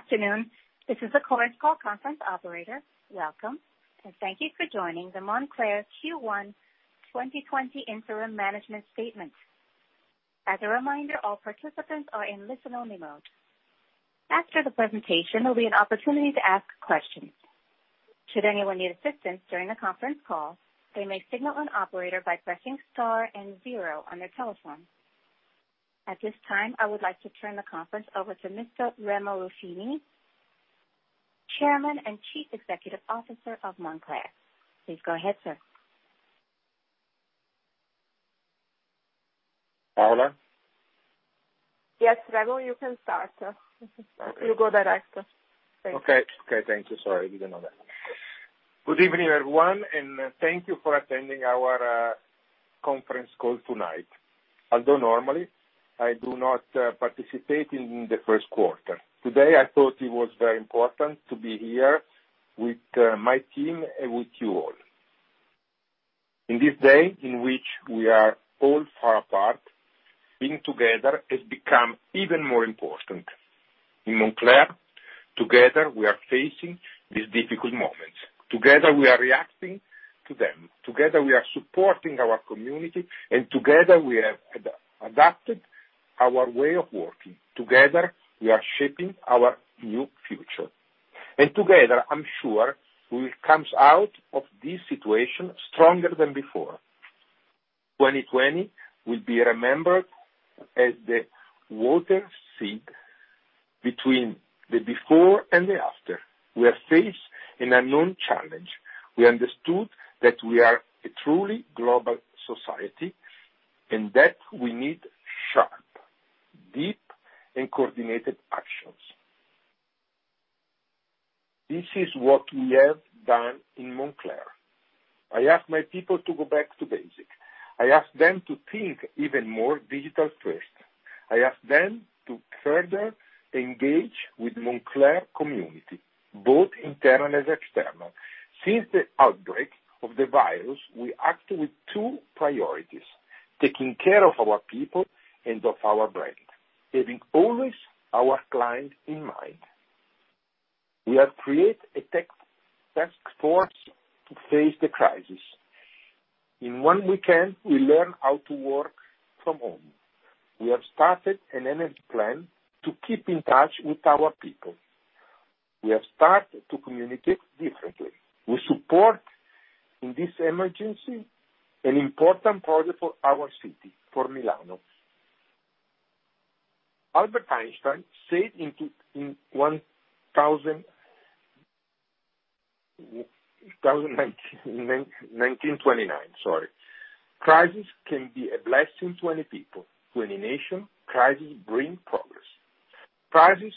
Good afternoon. This is the Chorus Call conference operator. Welcome. Thank you for joining the Moncler Q1 2020 Interim Management Statement. As a reminder, all participants are in listen-only mode. After the presentation, there will be an opportunity to ask questions. Should anyone need assistance during the conference call, they may signal an operator by pressing star and zero on their telephone. At this time, I would like to turn the conference over to Mr. Remo Ruffini, Chairman and Chief Executive Officer of Moncler. Please go ahead, sir. Paola? Yes, Remo, you can start. Okay. You can go ahead. Thanks. Okay. Thank you. Sorry, I didn't know that. Good evening, everyone, and thank you for attending our conference call tonight. Although normally I do not participate in the first quarter, today I thought it was very important to be here with my team and with you all. In this day in which we are all far apart, being together has become even more important. In Moncler, together, we are facing these difficult moments. Together, we are reacting to them. Together, we are supporting our community, and together, we have adapted our way of working. Together, we are shaping our new future. Together, I'm sure we will come out of this situation stronger than before. 2020 will be remembered as the watershed between the before and the after. We are faced an unknown challenge. We understood that we are a truly global society and that we need sharp, deep, and coordinated actions. This is what we have done in Moncler. I ask my people to go back to basic. I ask them to think even more digital first. I ask them to further engage with Moncler community, both internal and external. Since the outbreak of the virus, we act with two priorities, taking care of our people and of our brand, having always our client in mind. We have created a task force to face the crisis. In one weekend, we learn how to work from home. We have started an emergency plan to keep in touch with our people. We have started to communicate differently. We support, in this emergency, an important project for our city, for Milano. Albert Einstein said in 1929, "Crisis can be a blessing to any people, to any nation, crises bring progress." Crises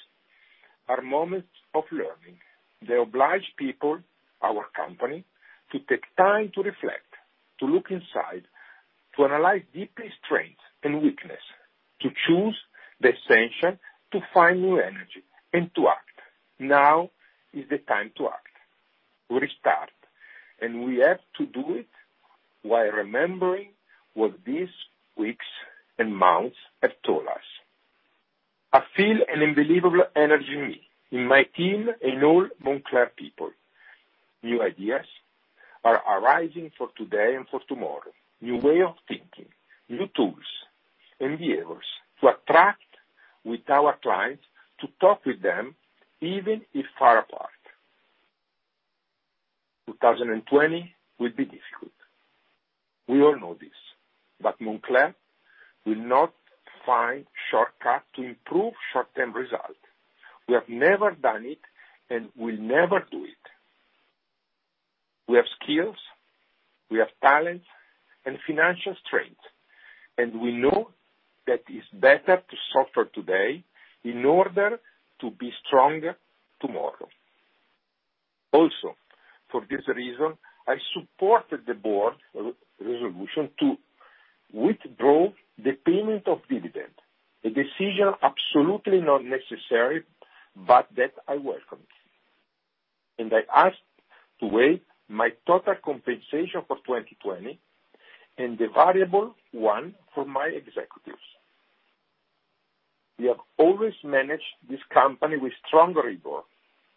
are moments of learning. They oblige people, our company, to take time to reflect, to look inside, to analyze deeply strength and weakness, to choose the essential, to find new energy, and to act. Now is the time to act. We restart. We have to do it while remembering what these weeks and months have taught us. I feel an unbelievable energy in me, in my team, and all Moncler people. New ideas are arising for today and for tomorrow. New way of thinking, new tools, endeavors to attract with our clients, to talk with them, even if far apart. 2020 will be difficult. We all know this. Moncler will not find shortcuts to improve short-term result. We have never done it and will never do it. We have skills, we have talent and financial strength, we know that it's better to suffer today in order to be stronger tomorrow. Also, for this reason, I supported the board resolution to withdraw the payment of dividend, a decision absolutely not necessary, but that I welcomed. I asked to waive my total compensation for 2020 and the variable one for my executives. We have always managed this company with strong rigor.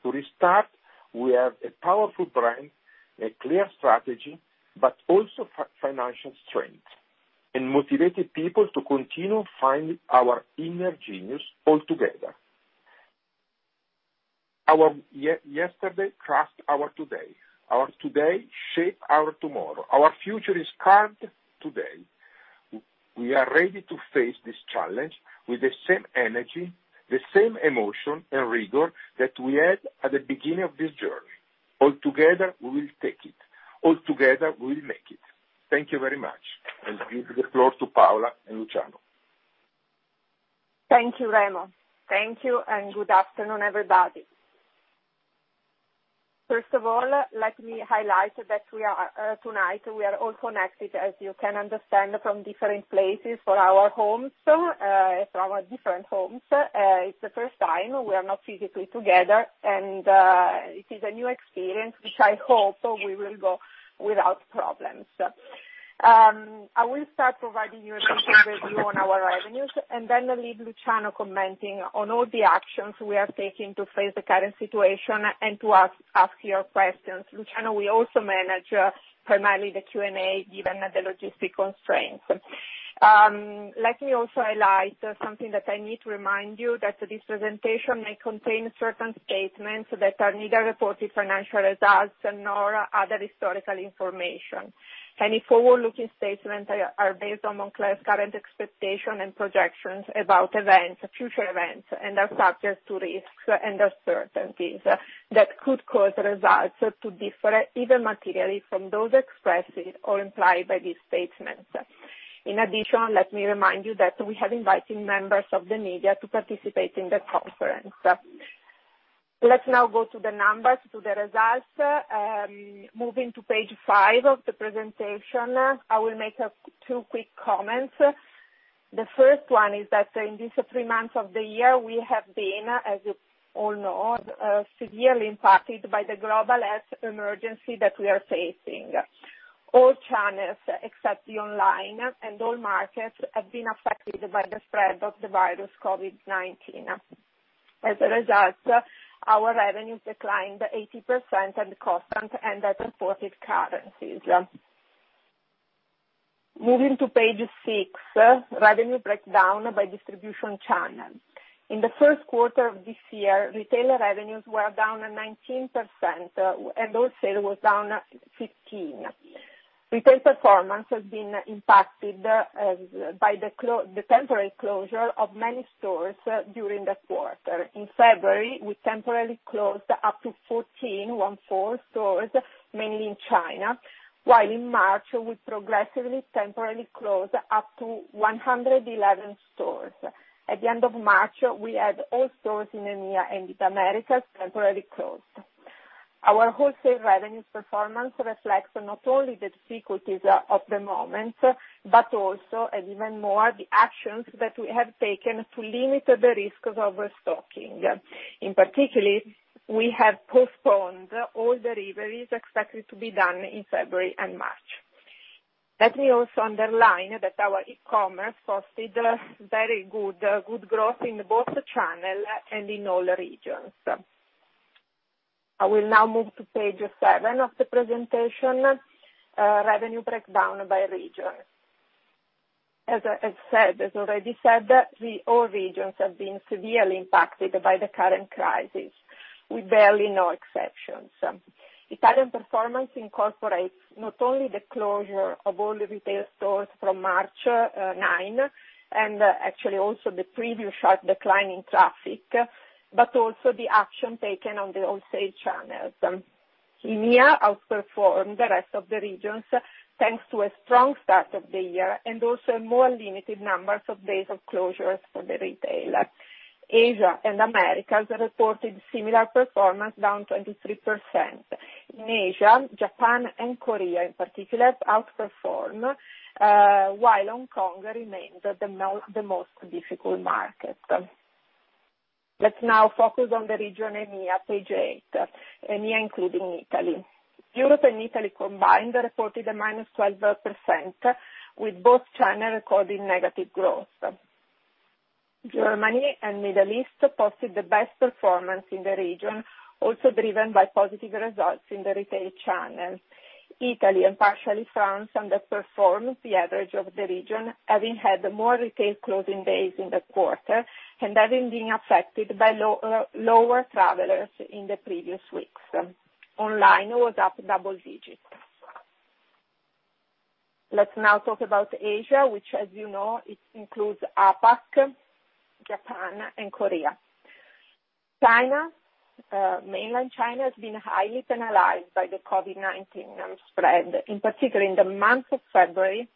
To restart, we have a powerful brand, a clear strategy, but also financial strength and motivated people to continue finding our inner Genius altogether. Our yesterday craft our today. Our today shape our tomorrow. Our future is carved today. We are ready to face this challenge with the same energy, the same emotion and rigor that we had at the beginning of this journey. All together, we will take it. All together, we will make it. Thank you very much. Give the floor to Paola and Luciano. Thank you, Remo. Thank you. Good afternoon, everybody. First of all, let me highlight that tonight we are all connected, as you can understand, from different places, from our different homes. It's the first time we are not physically together and it is a new experience which I hope we will go without problems. I will start providing you a detailed view on our revenues, and then leave Luciano commenting on all the actions we are taking to face the current situation and to answer your questions. Luciano will also manage primarily the Q&A, given the logistic constraints. Let me also highlight something that I need to remind you, that this presentation may contain certain statements that are neither reported financial results nor other historical information. Any forward-looking statements are based on Moncler's current expectations and projections about future events, and are subject to risks and uncertainties that could cause results to differ, even materially, from those expressed or implied by these statements. In addition, let me remind you that we have invited members of the media to participate in the conference. Let's now go to the numbers, to the results. Moving to page five of the presentation, I will make two quick comments. The first one is that in these three months of the year, we have been, as you all know, severely impacted by the global health emergency that we are facing. All channels except the online, and all markets, have been affected by the spread of the virus COVID-19. As a result, our revenues declined 18% at constant and at reported currencies. Moving to page six, revenue breakdown by distribution channel. In the first quarter of this year, retail revenues were down at 19%, and wholesale was down 15%. Retail performance has been impacted by the temporary closure of many stores during the quarter. In February, we temporarily closed up to 14 stores, mainly in China. While in March, we progressively temporarily closed up to 111 stores. At the end of March, we had all stores in EMEA and Americas temporarily closed. Our wholesale revenues performance reflects not only the difficulties of the moment, but also, and even more, the actions that we have taken to limit the risk of restocking. In particular, we have postponed all deliveries expected to be done in February and March. Let me also underline that our e-commerce posted very good growth in both the channel and in all the regions. I will now move to page seven of the presentation, revenue breakdown by region. As already said, all regions have been severely impacted by the current crisis, with barely no exceptions. Italian performance incorporates not only the closure of all the retail stores from March 9, and actually also the previous sharp decline in traffic, but also the action taken on the wholesale channels. EMEA outperformed the rest of the regions thanks to a strong start of the year, and also a more limited number of days of closures for the retailer. Asia and Americas reported similar performance, down 23%. In Asia, Japan and Korea in particular outperformed, while Hong Kong remains the most difficult market. Let's now focus on the region EMEA, page eight. EMEA including Italy. Europe and Italy combined reported a -12%, with both channels recording negative growth. Germany and Middle East posted the best performance in the region, also driven by positive results in the retail channels. Italy and partially France underperformed the average of the region, having had more retail closing days in the quarter and having been affected by lower travelers in the previous weeks. Online was up double digits. Let's now talk about Asia, which, as you know, it includes APAC, Japan, and Korea. Mainland China has been highly penalized by the COVID-19 spread, in particular in the month of February.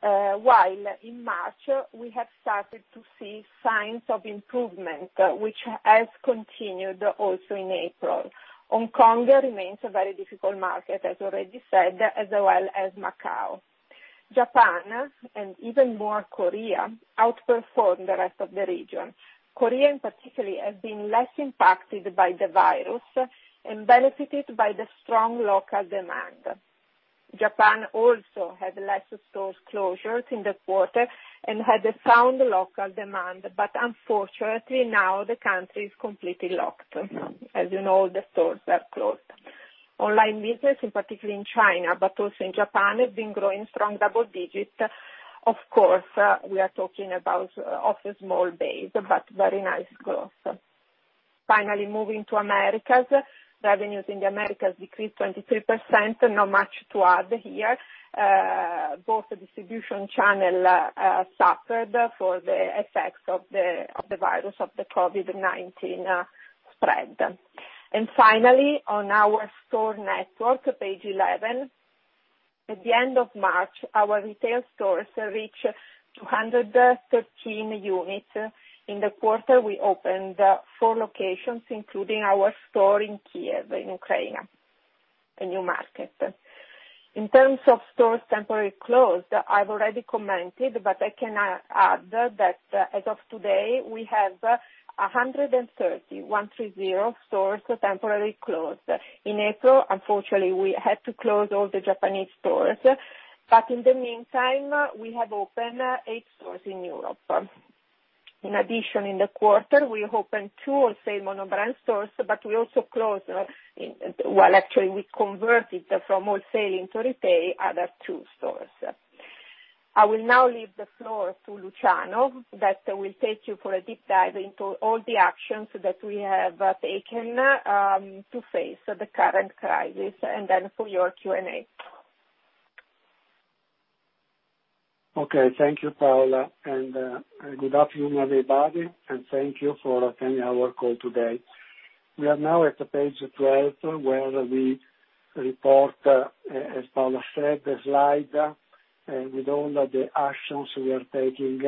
While in March, we have started to see signs of improvement, which has continued also in April. Hong Kong remains a very difficult market, as already said, as well as Macau. Japan, and even more Korea, outperformed the rest of the region. Korea in particular has been less impacted by the virus and benefited by the strong local demand. Japan also had less store closures in the quarter and had a strong local demand, but unfortunately, now the country is completely locked. As you know, the stores are closed. Online business, in particular in China, but also in Japan, has been growing strong double digits. Of course, we are talking about off a small base, but very nice growth. Finally, moving to Americas, revenues in the Americas decreased 23%, not much to add here. Both distribution channels suffered for the effects of the virus, of the COVID-19 spread. Finally, on our store network, page 11. At the end of March, our retail stores reached 213 units. In the quarter, we opened four locations, including our store in Kyiv, in Ukraine, a new market. In terms of stores temporarily closed, I've already commented, but I can add that as of today, we have 130 stores temporarily closed. In April, unfortunately, we had to close all the Japanese stores. In the meantime, we have opened eight stores in Europe. In addition, in the quarter, we opened two wholesale mono-brand stores, but we also closed. Well, actually, we converted it from wholesaling to retail other two stores. I will now leave the floor to Luciano, that will take you for a deep dive into all the actions that we have taken to face the current crisis, and then for your Q&A. Okay. Thank you, Paola. Good afternoon, everybody. Thank you for attending our call today. We are now at page 12, where we report, as Paola said, the slide with all of the actions we are taking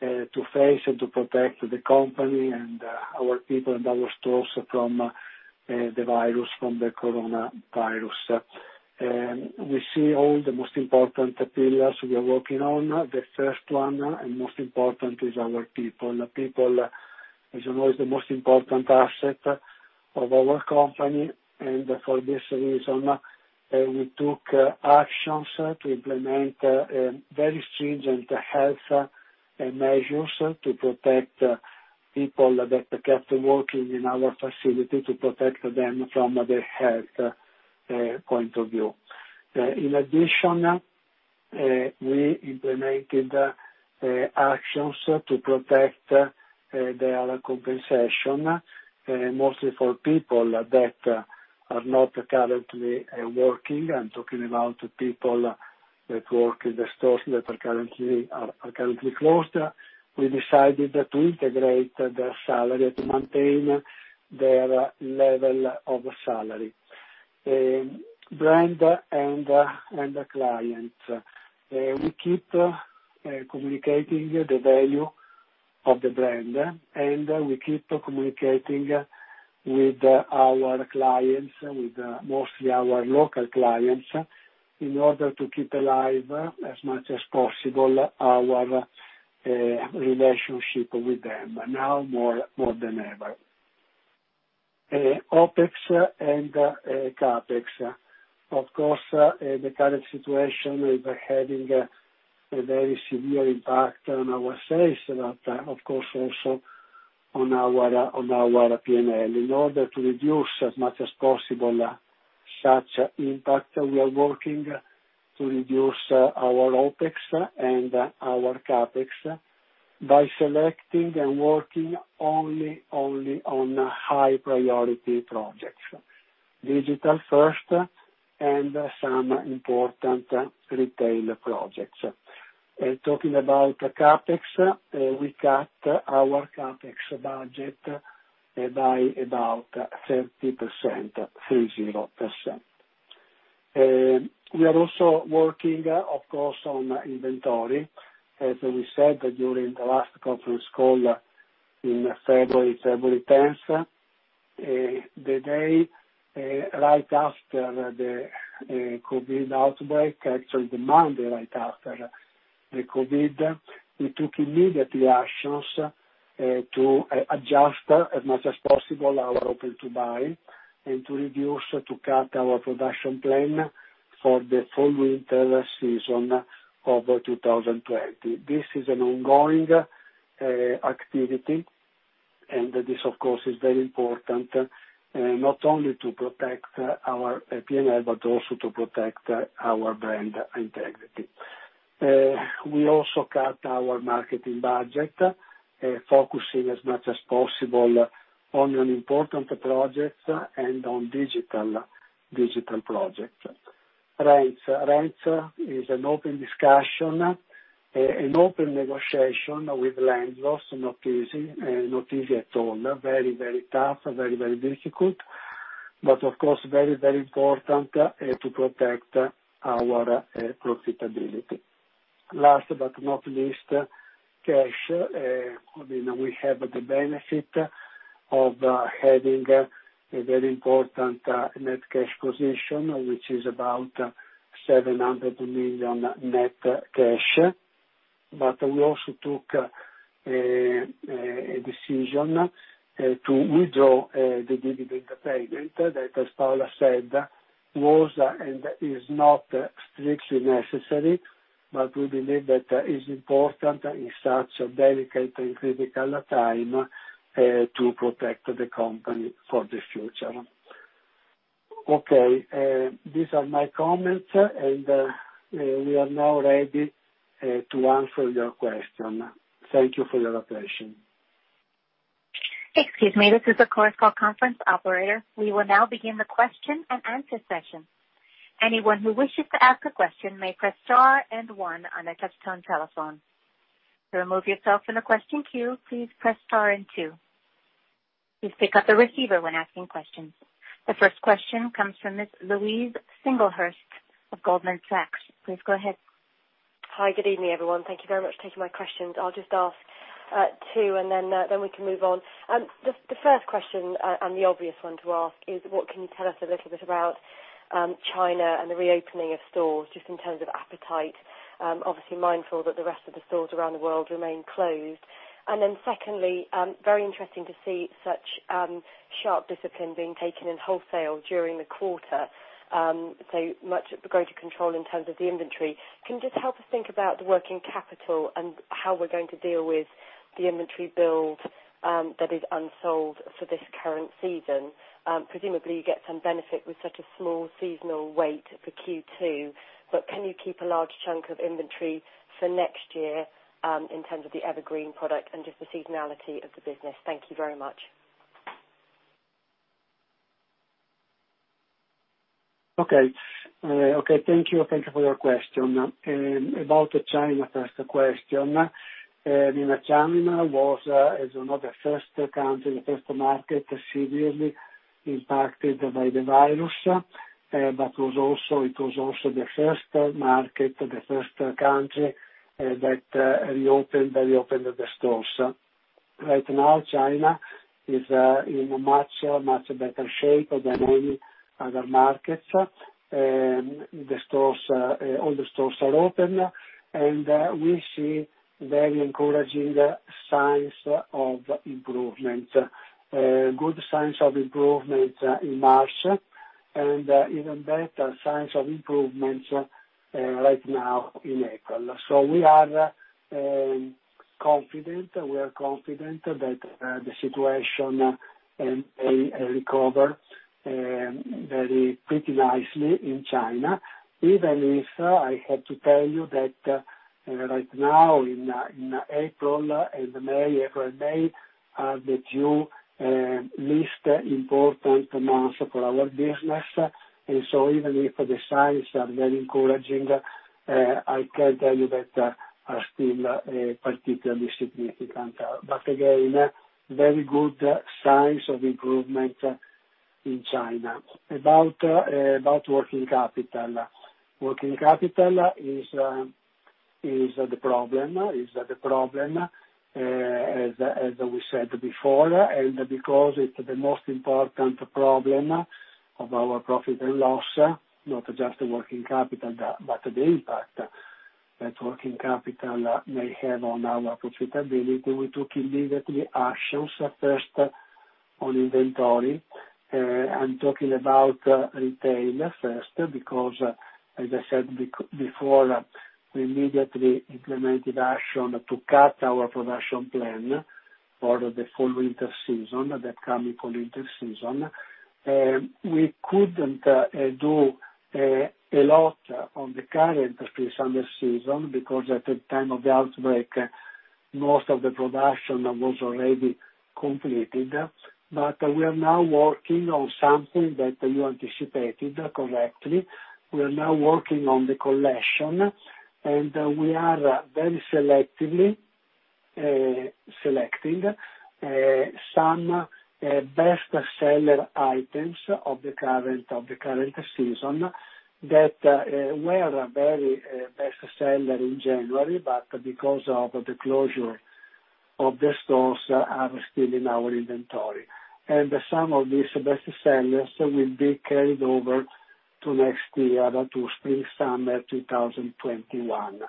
to face and to protect the company and our people and our stores from the coronavirus. We see all the most important pillars we are working on. The first one, most important, is our people. People, as you know, is the most important asset of our company. For this reason, we took actions to implement very stringent health measures to protect people that kept working in our facility, to protect them from the health point of view. In addition, we implemented actions to protect their compensation, mostly for people that are not currently working. I'm talking about people that work in the stores that are currently closed. We decided to integrate their salary to maintain their level of salary. Brand and the client. We keep communicating the value of the brand, and we keep communicating with our clients, with mostly our local clients, in order to keep alive as much as possible our relationship with them, now more than ever. OpEx and CapEx. Of course, the current situation is having a very severe impact on our sales, but of course also on our P&L. In order to reduce as much as possible such impact, we are working to reduce our OpEx and our CapEx by selecting and working only on high priority projects. Digital first and some important retail projects. Talking about CapEx, we cut our CapEx budget by about 30%. We are also working, of course, on inventory. As we said during the last conference call on February 10th, the day right after the COVID-19 outbreak, actually the Monday right after the COVID-19, we took immediately actions to adjust as much as possible our open-to-buy and to cut our production plan for the fall/winter season of 2020. This is an ongoing activity. This, of course, is very important, not only to protect our P&L, but also to protect our brand integrity. We also cut our marketing budget, focusing as much as possible on important projects and on digital projects. Rents is an open discussion, an open negotiation with landlords. Not easy at all. Very, very tough, very, very difficult, but of course, very, very important to protect our profitability. Last but not least, cash. We have the benefit of having a very important net cash position, which is about 700 million net cash. We also took a decision to withdraw the dividend payment that, as Paola said, was and is not strictly necessary, but we believe that it's important in such a delicate and critical time to protect the company for the future. Okay. These are my comments, and we are now ready to answer your question. Thank you for your attention. Excuse me, this is the Chorus Call conference operator. We will now begin the question and answer session. Anyone who wishes to ask a question may press star and one on a touch-tone telephone. To remove yourself from the question queue, please press star and two. Please pick up the receiver when asking questions. The first question comes from Ms. Louise Singlehurst of Goldman Sachs. Please go ahead. Hi. Good evening, everyone. Thank you very much for taking my questions. I'll just ask two, and then we can move on. The first question, and the obvious one to ask, is what can you tell us a little bit about China and the reopening of stores, just in terms of appetite. Obviously mindful that the rest of the stores around the world remain closed. Secondly, very interesting to see such sharp discipline being taken in wholesale during the quarter. Much greater control in terms of the inventory. Can you just help us think about the working capital and how we're going to deal with the inventory build that is unsold for this current season? Presumably, you get some benefit with such a small seasonal weight for Q2, but can you keep a large chunk of inventory for next year, in terms of the evergreen product and just the seasonality of the business? Thank you very much. Okay. Thank you for your question. About China, first question. China was the first country, the first market severely impacted by the virus. It was also the first market, the first country that reopened the stores. Right now, China is in a much better shape than many other markets. All the stores are open, and we see very encouraging signs of improvement. Good signs of improvement in March, and even better signs of improvements right now in April. We are confident that the situation recover very pretty nicely in China. Even if I have to tell you that right now in April and May are the two least important months for our business. Even if the signs are very encouraging, I can tell you that are still particularly significant. Again, very good signs of improvement in China. About working capital. Working capital is the problem, as we said before, and because it's the most important problem of our profit and loss, not just the working capital, but the impact that working capital may have on our profitability. We took immediately actions first on inventory. I'm talking about retail first because, as I said before, we immediately implemented action to cut our production plan for the full winter season, the coming full winter season. We couldn't do a lot on the current spring/summer season because at the time of the outbreak, most of the production was already completed. We are now working on something that you anticipated correctly. We are now working on the collection, and we are very selectively selecting some bestseller items of the current season that were very bestseller in January, but because of the closure of the stores are still in our inventory. Some of these bestsellers will be carried over to next year, to spring/summer 2021.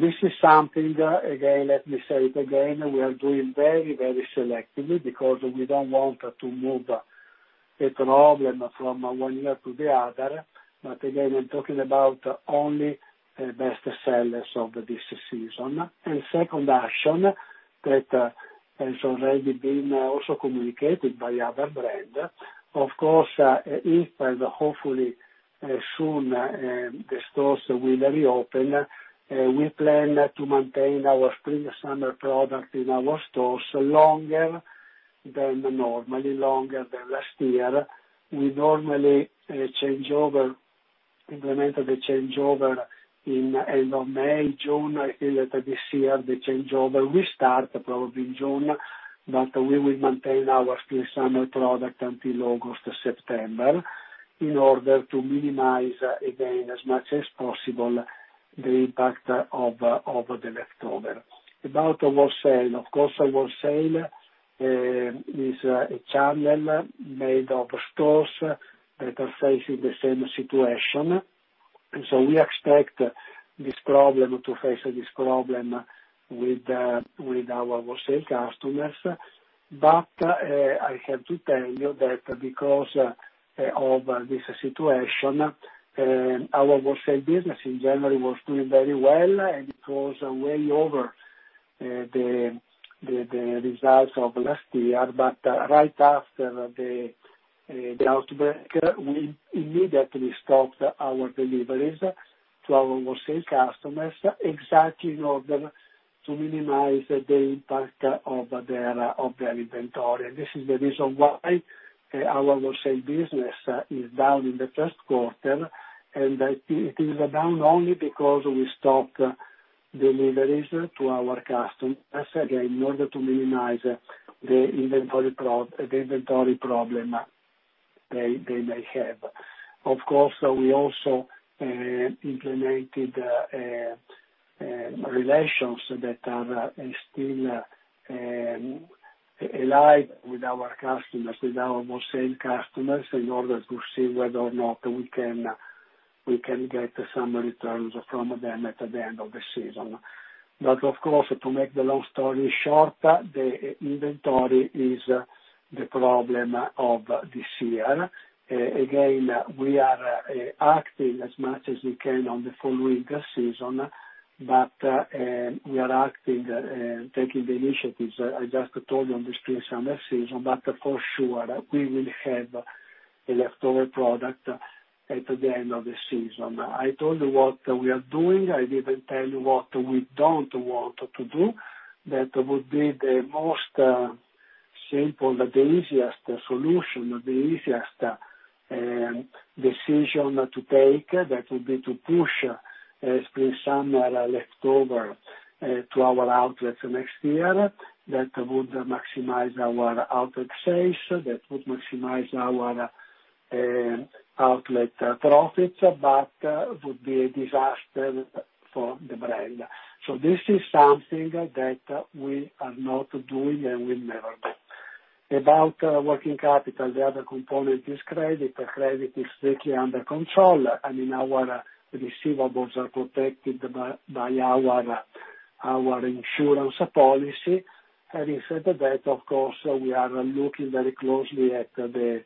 This is something, again, let me say it again, we are doing very selectively because we don't want to move a problem from one year to the other. Again, we're talking about only bestsellers of this season. Second action that has already been also communicated by other brand. Of course, if and hopefully soon, the stores will reopen, we plan to maintain our spring/summer product in our stores longer than normally, longer than last year. We normally implement the changeover in end of May, June. I think that this year, the changeover will start probably in June, but we will maintain our spring/summer product until August or September in order to minimize, again, as much as possible, the impact of the leftover. About wholesale, our wholesale is a channel made of stores that are facing the same situation. We expect to face this problem with our wholesale customers. I have to tell you that because of this situation, our wholesale business in January was doing very well, and it was way over the results of last year. Right after the outbreak, we immediately stopped our deliveries to our wholesale customers, exactly in order to minimize the impact of their inventory. This is the reason why our wholesale business is down in the first quarter, and it is down only because we stopped deliveries to our customers, again, in order to minimize the inventory problem they may have. Of course, we also implemented relations that are still alive with our customers, with our wholesale customers, in order to see whether or not we can get some returns from them at the end of the season. Of course, to make the long story short, the inventory is the problem of this year. Again, we are acting as much as we can on the full winter season, but we are acting, taking the initiatives. I just told you on the spring/summer season, but for sure, we will have a leftover product at the end of the season. I told you what we are doing, I didn't tell you what we don't want to do. That would be the most simple but the easiest solution, the easiest decision to take. That would be to push spring/summer leftover to our outlets next year. That would maximize our outlet sales, that would maximize our outlet profits, but would be a disaster for the brand. This is something that we are not doing and will never do. About working capital, the other component is credit. Credit is strictly under control. Our receivables are protected by our insurance policy. Having said that, of course, we are looking very closely at the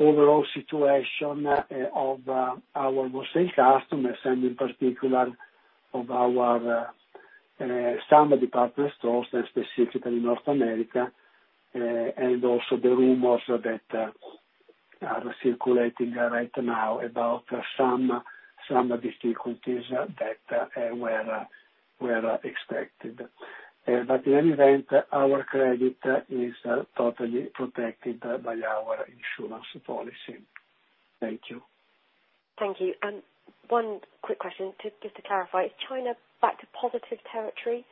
overall situation of our wholesale customers and in particular of our some department stores, specifically North America, and also the rumors that are circulating right now about some difficulties that were expected. In any event, our credit is totally protected by our insurance policy. Thank you. Thank you. One quick question, just to clarify, is China back to positive territory?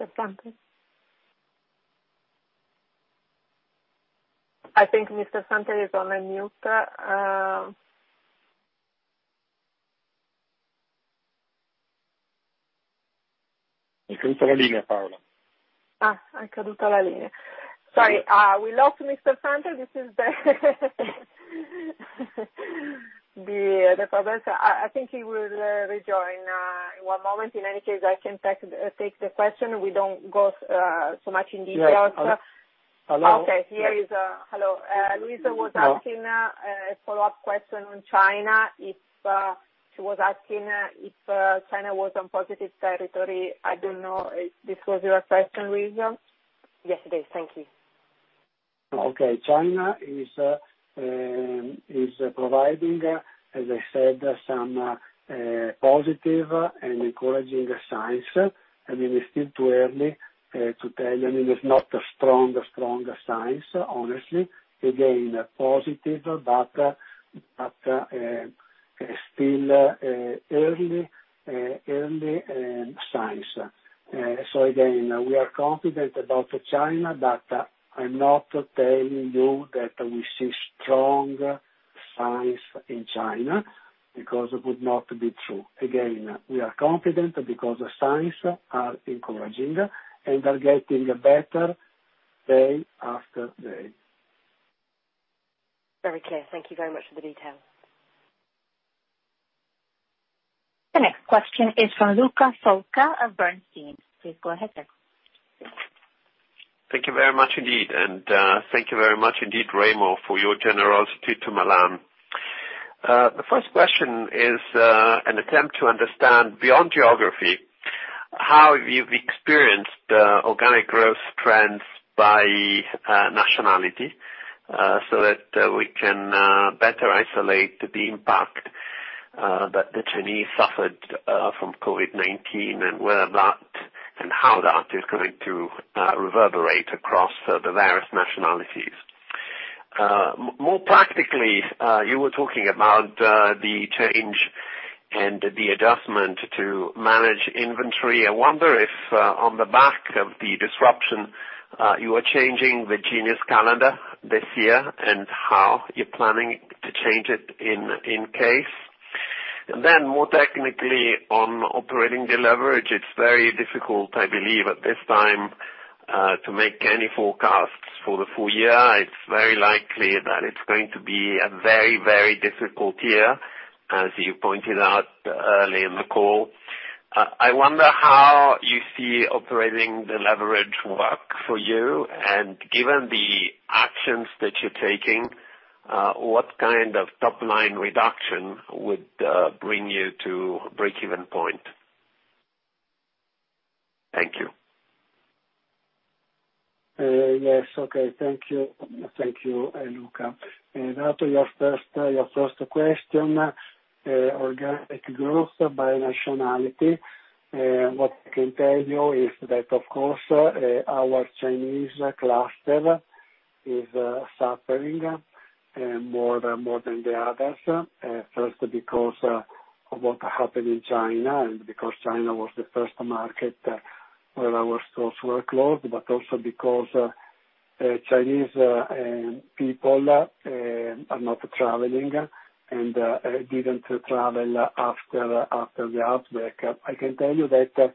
Mr. Santel? I think Mr. Santel is on mute. Sorry, we lost Mr. Santel. This is the problem. I think he will rejoin in one moment. In any case, I can take the question. We don't go so much in details. Hello? Louise was asking a follow-up question on China. She was asking if China was on positive territory. I don't know if this was your question, Louise? Yes, it is. Thank you. Okay. China is providing, as I said, some positive and encouraging signs. It's still too early to tell. It's not a strong sign, honestly. Again, positive, but still early signs. Again, we are confident about China, but I'm not telling you that we see strong signs in China, because it would not be true. Again, we are confident because the signs are encouraging and are getting better day after day. Very clear. Thank you very much for the detail. The next question is from Luca Solca of Bernstein. Please go ahead, sir. Thank you very much indeed, and thank you very much indeed, Remo, for your generosity to Milan. The first question is an attempt to understand, beyond geography, how you've experienced organic growth trends by nationality so that we can better isolate the impact that the Chinese suffered from COVID-19 and whether that, and how that is going to reverberate across the various nationalities. More practically, you were talking about the change and the adjustment to manage inventory. I wonder if, on the back of the disruption, you are changing the Genius calendar this year and how you're planning to change it in case. More technically, on operating the leverage, it's very difficult, I believe, at this time, to make any forecasts for the full year. It's very likely that it's going to be a very difficult year, as you pointed out early in the call. I wonder how you see operating the leverage work for you, and given the actions that you're taking, what kind of top-line reduction would bring you to break even point? Thank you. Yes. Okay. Thank you, Luca. To your first question, organic growth by nationality. What I can tell you is that, of course, our Chinese cluster is suffering more than the others. First, because of what happened in China, and because China was the first market where our stores were closed, also because Chinese people are not traveling and didn't travel after the outbreak. I can tell you that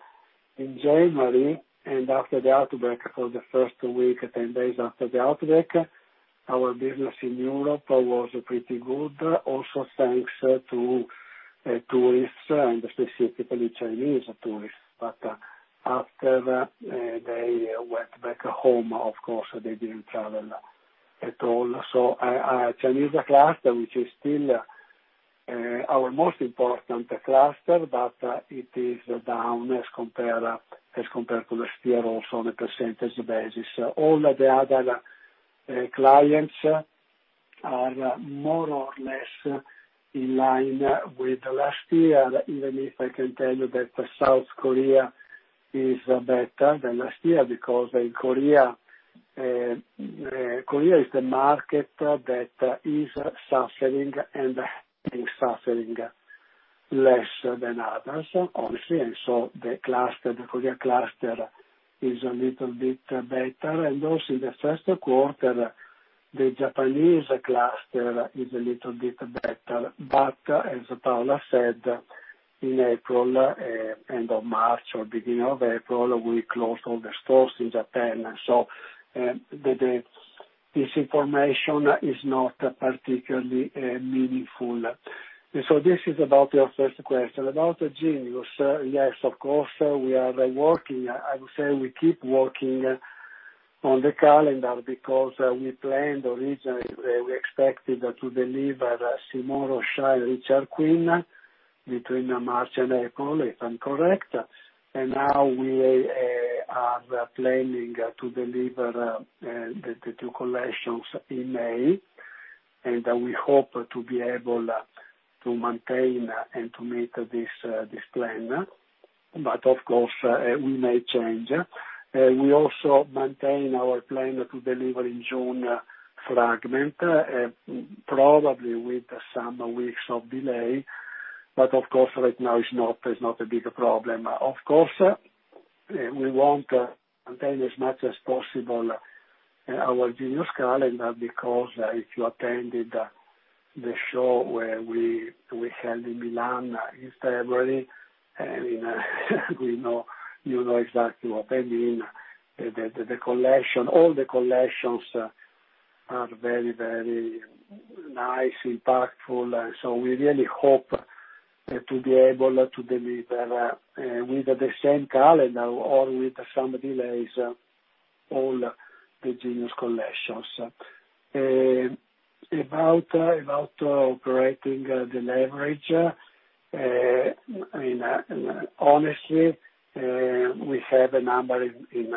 in January and after the outbreak, for the first week, 10 days after the outbreak, our business in Europe was pretty good. Also thanks to tourists, and specifically Chinese tourists. After they went back home, of course, they didn't travel at all. Chinese cluster, which is still our most important cluster, but it is down as compared to last year also on a percentage basis. All the other clients are more or less in line with last year, even if I can tell you that South Korea is better than last year, because Korea is the market that is suffering and is suffering less than others, obviously. The Korea cluster is a little bit better. In the first quarter, the Japanese cluster is a little bit better. As Paola said, in April, end of March or beginning of April, we closed all the stores in Japan. This information is not particularly meaningful. This is about your first question. About Genius, yes, of course, we are working. I would say we keep working on the calendar because we planned originally, we expected to deliver Simone Rocha and Richard Quinn between March and April, if I'm correct. Now we are planning to deliver the two collections in May. We hope to be able to maintain and to meet this plan. Of course, we may change. We also maintain our plan to deliver in June, Fragment, probably with some weeks of delay. Of course, right now it's not a big problem. Of course, we want to maintain as much as possible our Genius calendar, because if you attended the show where we held in Milan in February, you know exactly what I mean. All the collections are very nice, impactful. We really hope to be able to deliver with the same calendar or with some delays, all the Genius collections. About operating the leverage, honestly, we have a number in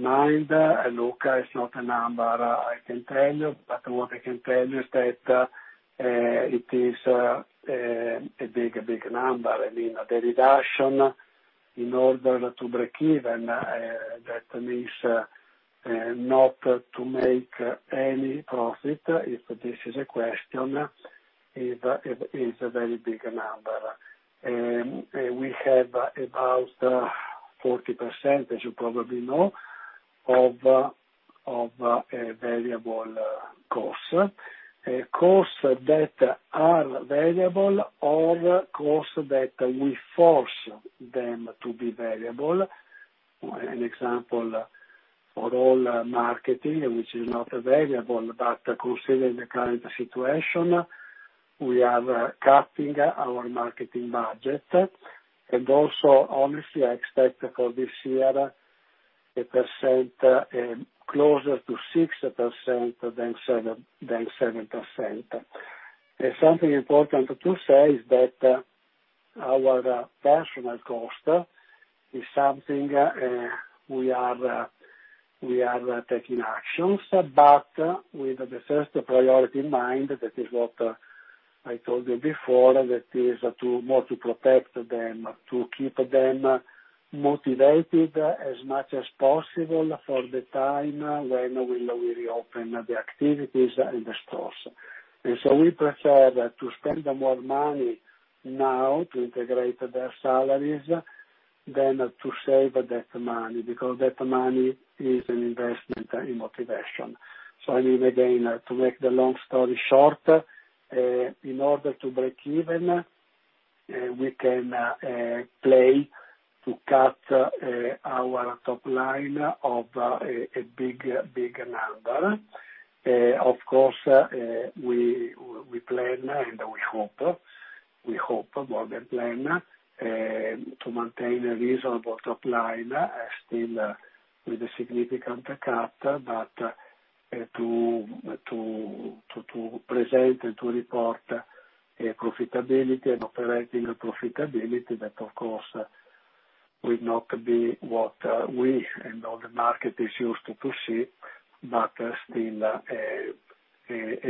mind. Look, it's not a number I can tell you. What I can tell you is that it is a big number. The reduction in order to break even, that means not to make any profit, if this is a question, is a very big number. We have about 40%, as you probably know, of variable costs. Costs that are variable or costs that we force them to be variable. An example, for all marketing, which is not a variable, but considering the current situation, we are cutting our marketing budget. Also, honestly, I expect for this year, a percent closer to 6% than 7%. Something important to say is that our personnel cost is something we are taking actions, but with the first priority in mind, that is what I told you before, that is more to protect them, to keep them motivated as much as possible for the time when we reopen the activities and the stores. We prefer to spend more money now to integrate their salaries than to save that money, because that money is an investment in motivation. Again, to make the long story short, in order to break even, we can play to cut our top line of a big number. Of course, we plan and we hope more than plan, to maintain a reasonable top line still with a significant cut, but to present and to report profitability and operating profitability, that of course, will not be what we and all the market is used to see, but still a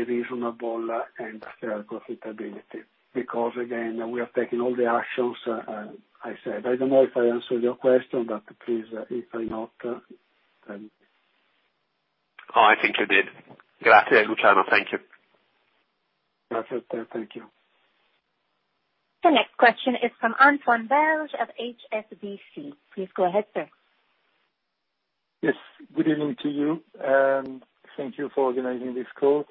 reasonable and fair profitability because, again, we are taking all the actions I said. I don't know if I answered your question, but please, if I did not then. Oh, I think you did. Thank you. Thank you. The next question is from Antoine Belge of HSBC. Please go ahead, sir. Yes, good evening to you. Thank you for organizing this call.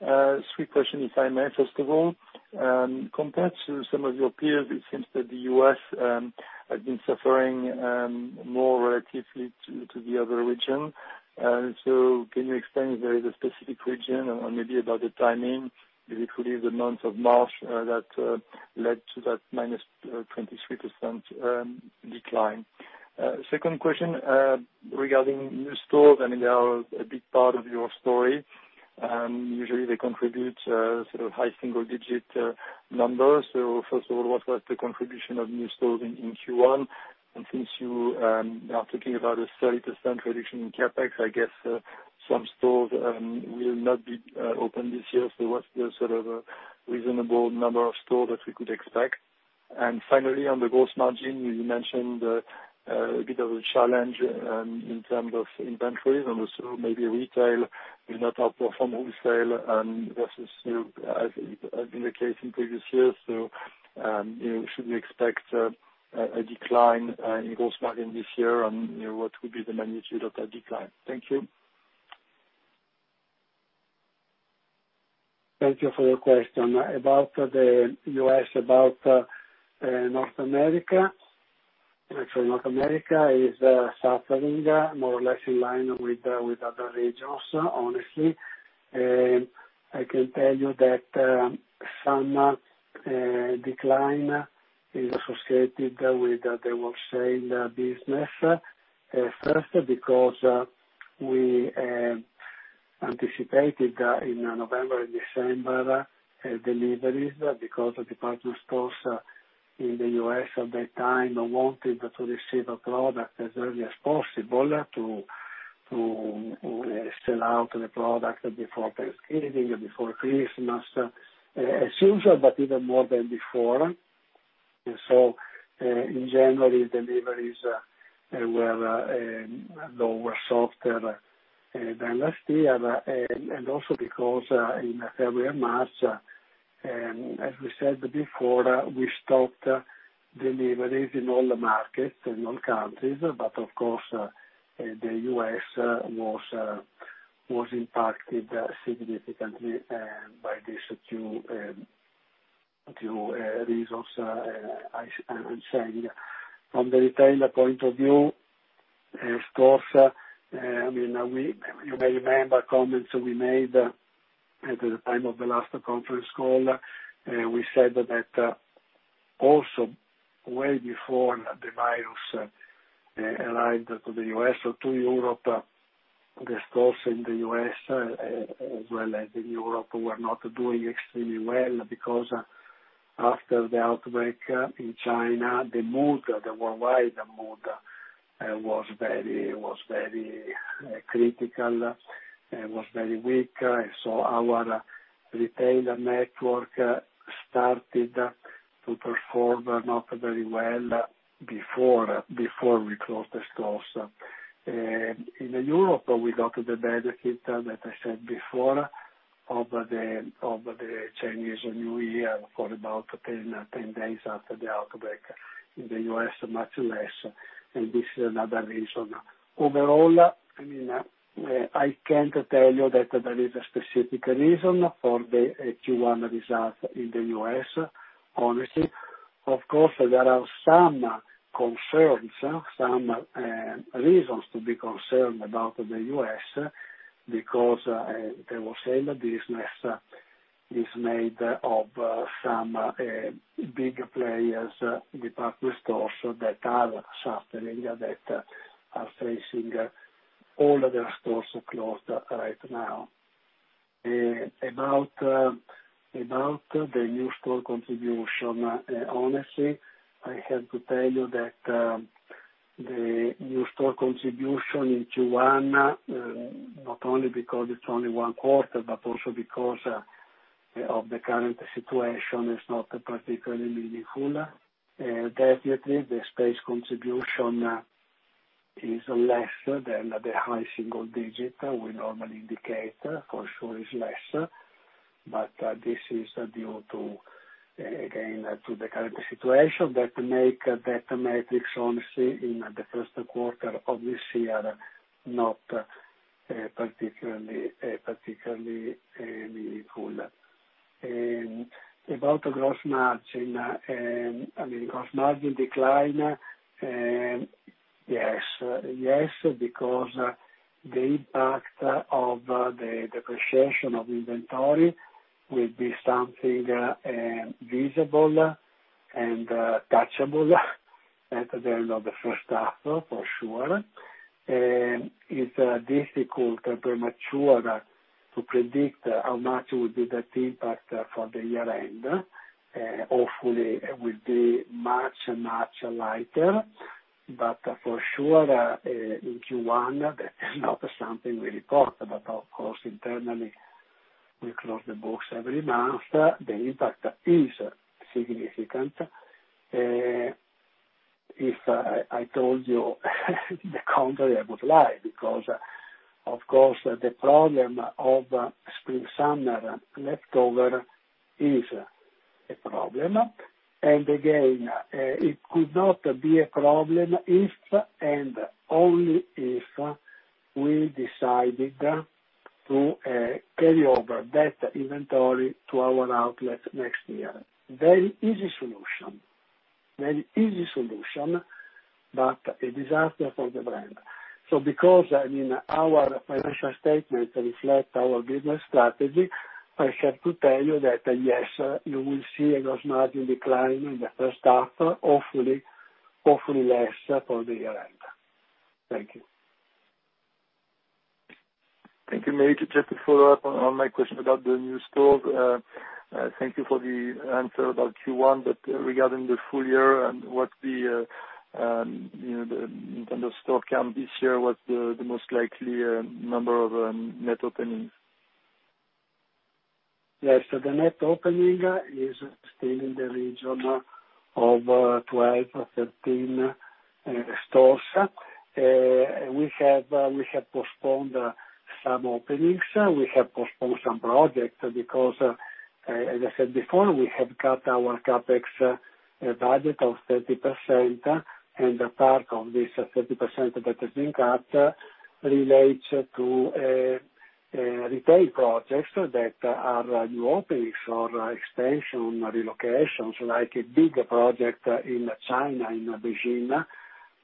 Three questions, if I may. First of all, compared to some of your peers, it seems that the U.S. has been suffering more relatively to the other region. Can you explain if there is a specific region or maybe about the timing? If it was the month of March that led to that -23% decline. Second question, regarding new stores, I mean, they are a big part of your story. Usually they contribute sort of high single-digit numbers. First of all, what was the contribution of new stores in Q1? Since you are talking about a 30% reduction in CapEx, I guess some stores will not be open this year. What's the sort of reasonable number of stores that we could expect? Finally, on the gross margin, you mentioned a bit of a challenge in terms of inventories and also maybe retail will not outperform wholesale versus has been the case in previous years. Should we expect a decline in gross margin this year and what would be the magnitude of that decline? Thank you. Thank you for your question. About the U.S., about North America. Actually, North America is suffering more or less in line with other regions, honestly. I can tell you that some decline is associated with the wholesale business. First, because we anticipated in November and December deliveries because the department stores in the U.S. at that time wanted to receive a product as early as possible to sell out the product before Thanksgiving, before Christmas, as usual, but even more than before. In January, deliveries were lower, softer than last year. Also because in February and March, as we said before, we stopped deliveries in all the markets, in all countries. Of course, the U.S. was impacted significantly by these two reasons I'm saying. From the retailer point of view, of course, you may remember comments we made at the time of the last conference call. We said that also way before the virus arrived to the U.S. or to Europe, the stores in the U.S. as well as in Europe, were not doing extremely well because after the outbreak in China, the mood, the worldwide mood was very critical and was very weak. Our retail network started to perform not very well before we closed the stores. In Europe, we got the benefit, that I said before, of the Chinese New Year for about 10 days after the outbreak. In the U.S., much less. This is another reason. Overall, I can't tell you that there is a specific reason for the Q1 results in the U.S., honestly. Of course, there are some concerns, some reasons to be concerned about the U.S. because the wholesale business is made of some big players, department stores that are suffering, that are facing all of their stores closed right now. About the new store contribution. Honestly, I have to tell you that the new store contribution in Q1, not only because it's only one quarter, but also because of the current situation, is not particularly meaningful. Definitely, the space contribution is less than the high single digit we normally indicate. For sure is less. This is due to, again, to the current situation that make that metric, honestly, in the first quarter of this year, not particularly meaningful. About gross margin. I mean, gross margin decline, yes, because the impact of the depreciation of inventory will be something visible and touchable at the end of the first half, for sure. It's difficult, premature to predict how much will be that impact for the year end. Hopefully, it will be much lighter. For sure, in Q1, that is not something we report. Of course, internally, we close the books every month. The impact is significant. If I told you the contrary, I would lie because, of course, the problem of spring/summer leftover is a problem. Again, it could not be a problem if, and only if, we decided to carry over that inventory to our outlet next year. Very easy solution, but a disaster for the brand. Because our financial statements reflect our business strategy, I have to tell you that, yes, you will see a gross margin decline in the first half, hopefully less for the year end. Thank you. Thank you, Luciano. Just to follow up on my question about the new stores. Thank you for the answer about Q1. Regarding the full year and what the store count this year, what's the most likely number of net openings? Yes. The net opening is still in the region of 12 or 13 stores. We have postponed some openings. We have postponed some projects because, as I said before, we have cut our CapEx budget of 30%, and a part of this 30% that has been cut relates to retail projects that are new openings or expansion relocations, like a big project in China, in Beijing,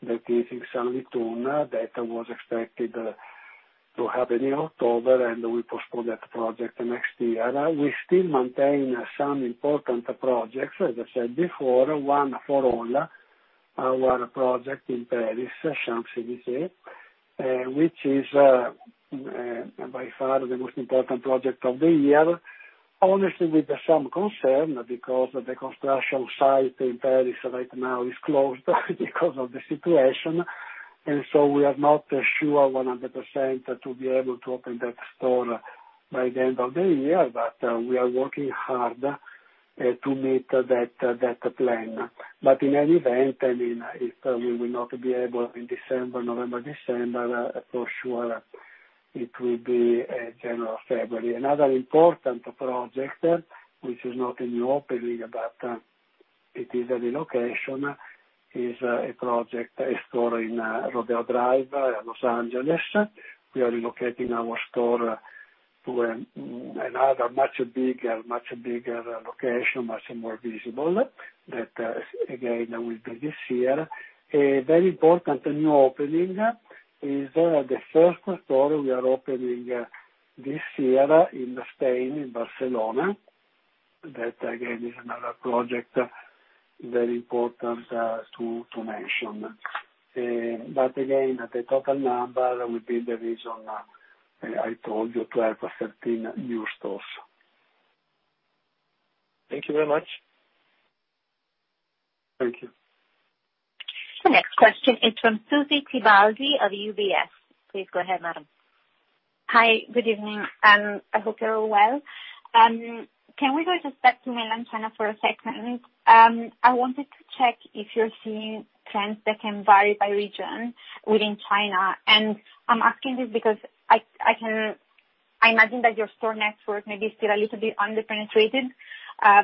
that is in Sanlitun, that was expected to happen in October, and we postponed that project next year. We still maintain some important projects, as I said before, one for all, our project in Paris, Champs-Élysées, which is by far the most important project of the year. Honestly, with some concern because the construction site in Paris right now is closed because of the situation. We are not sure 100% to be able to open that store by the end of the year. We are working hard to meet that plan. In any event, if we will not be able in November, December, for sure it will be January, February. Another important project, which is not a new opening, but it is a relocation, is a store in Rodeo Drive, Los Angeles. We are relocating our store to another much bigger location, much more visible, that again will be this year. A very important new opening is the first store we are opening this year in Spain, in Barcelona. That, again, is another project, very important to mention. Again, the total number will be the reason I told you, 12 or 13 new stores. Thank you very much. Thank you. The next question is from Susy Tibaldi of UBS. Please go ahead, madam. Hi. Good evening. I hope you're all well. Can we just back to mainland China for a second? I wanted to check if you're seeing trends that can vary by region within China. I'm asking this because I imagine that your store network may be still a little bit under-penetrated,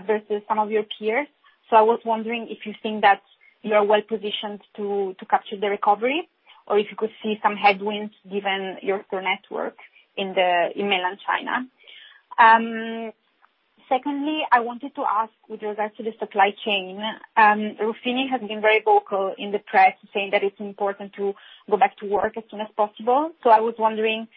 versus some of your peers. I was wondering if you think that you're well positioned to capture the recovery or if you could see some headwinds given your store network in mainland China. Secondly, I wanted to ask with regards to the supply chain. Ruffini has been very vocal in the press saying that it's important to go back to work as soon as possible. I was wondering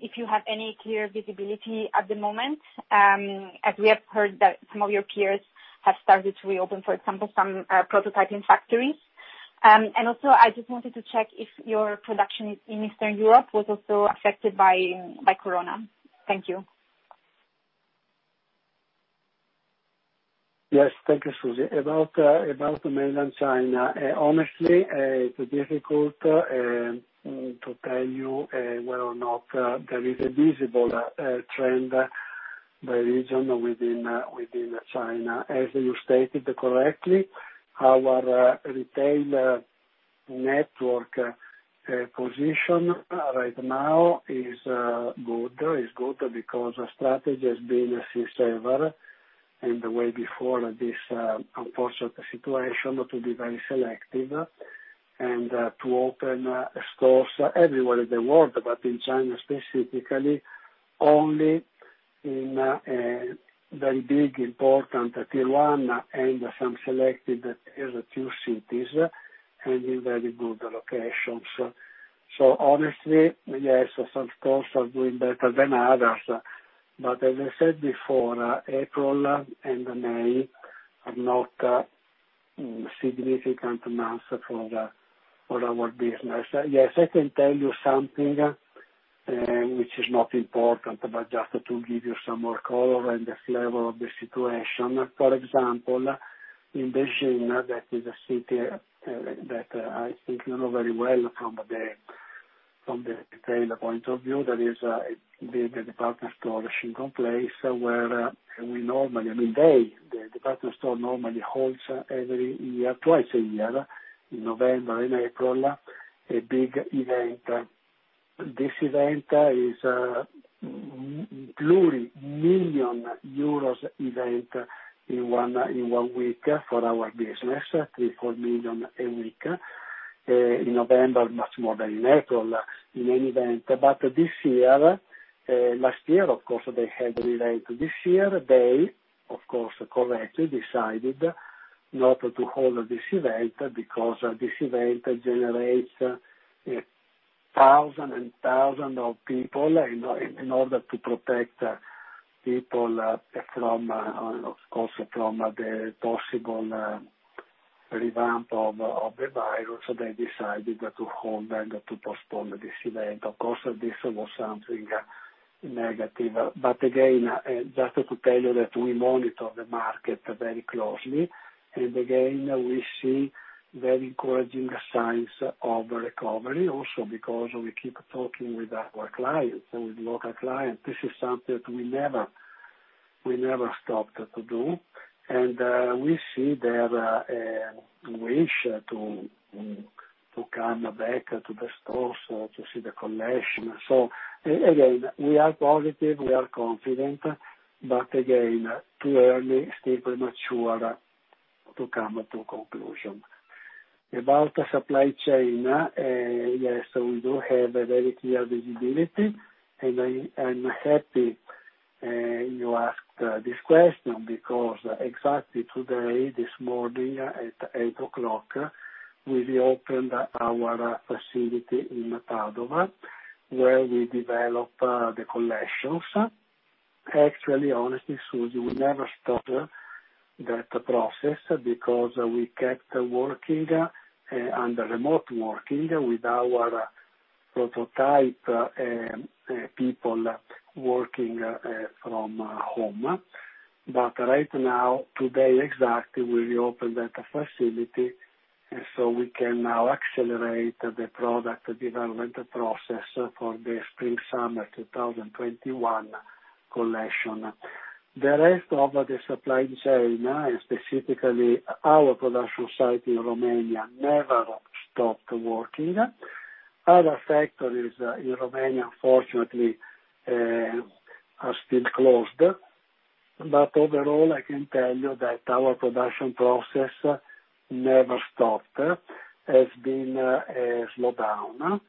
if you have any clear visibility at the moment, as we have heard that some of your peers have started to reopen, for example, some prototyping factories. Also, I just wanted to check if your production in Eastern Europe was also affected by corona. Thank you. Thank you, Susy. About mainland China, honestly, it's difficult to tell you whether or not there is a visible trend by region within China. As you stated correctly, our retail network position right now is good because our strategy has been since ever, and way before this unfortunate situation, to be very selective and to open stores everywhere in the world, but in China specifically, only in very big, important tier one and some selected other tier two cities, and in very good locations. Honestly, yes, some stores are doing better than others. As I said before, April and May are not significant months for our business. I can tell you something which is not important, but just to give you some more color and the flavor of the situation. For example, in Beijing, that is a city that I think you know very well from the retail point of view, there is a big department store, Shin Kong Place. The department store normally holds every year, twice a year, in November and April, a big event. This event is a plurimillion euro event in one week for our business, 3 million-4 million a week. In November, much more than in April, in any event. Last year, of course, they had the event. This year, they, of course, correctly decided not to hold this event because this event generates thousands and thousands of people. In order to protect people, of course, from the possible revamp of the virus, they decided to postpone this event. Of course, this was something negative. Again, just to tell you that we monitor the market very closely, and again, we see very encouraging signs of recovery, also because we keep talking with our clients and with local clients. This is something we never stopped to do, and we see their wish to come back to the stores to see the collection. Again, we are positive, we are confident, but again, too early, still premature to come to a conclusion. About the supply chain, yes, we do have a very clear visibility, and I'm happy you asked this question because exactly today, this morning at 8:00 A.M., we reopened our facility in Padova, where we develop the collections. Actually, honestly, Susy, we never stopped that process because we kept working under remote working with our prototype people working from home. Right now, today exactly, we reopened that facility, so we can now accelerate the product development process for the spring/summer 2021 collection. The rest of the supply chain, specifically our production site in Romania, never stopped working. Other factories in Romania, unfortunately, are still closed. Overall, I can tell you that our production process never stopped. There's been a slowdown.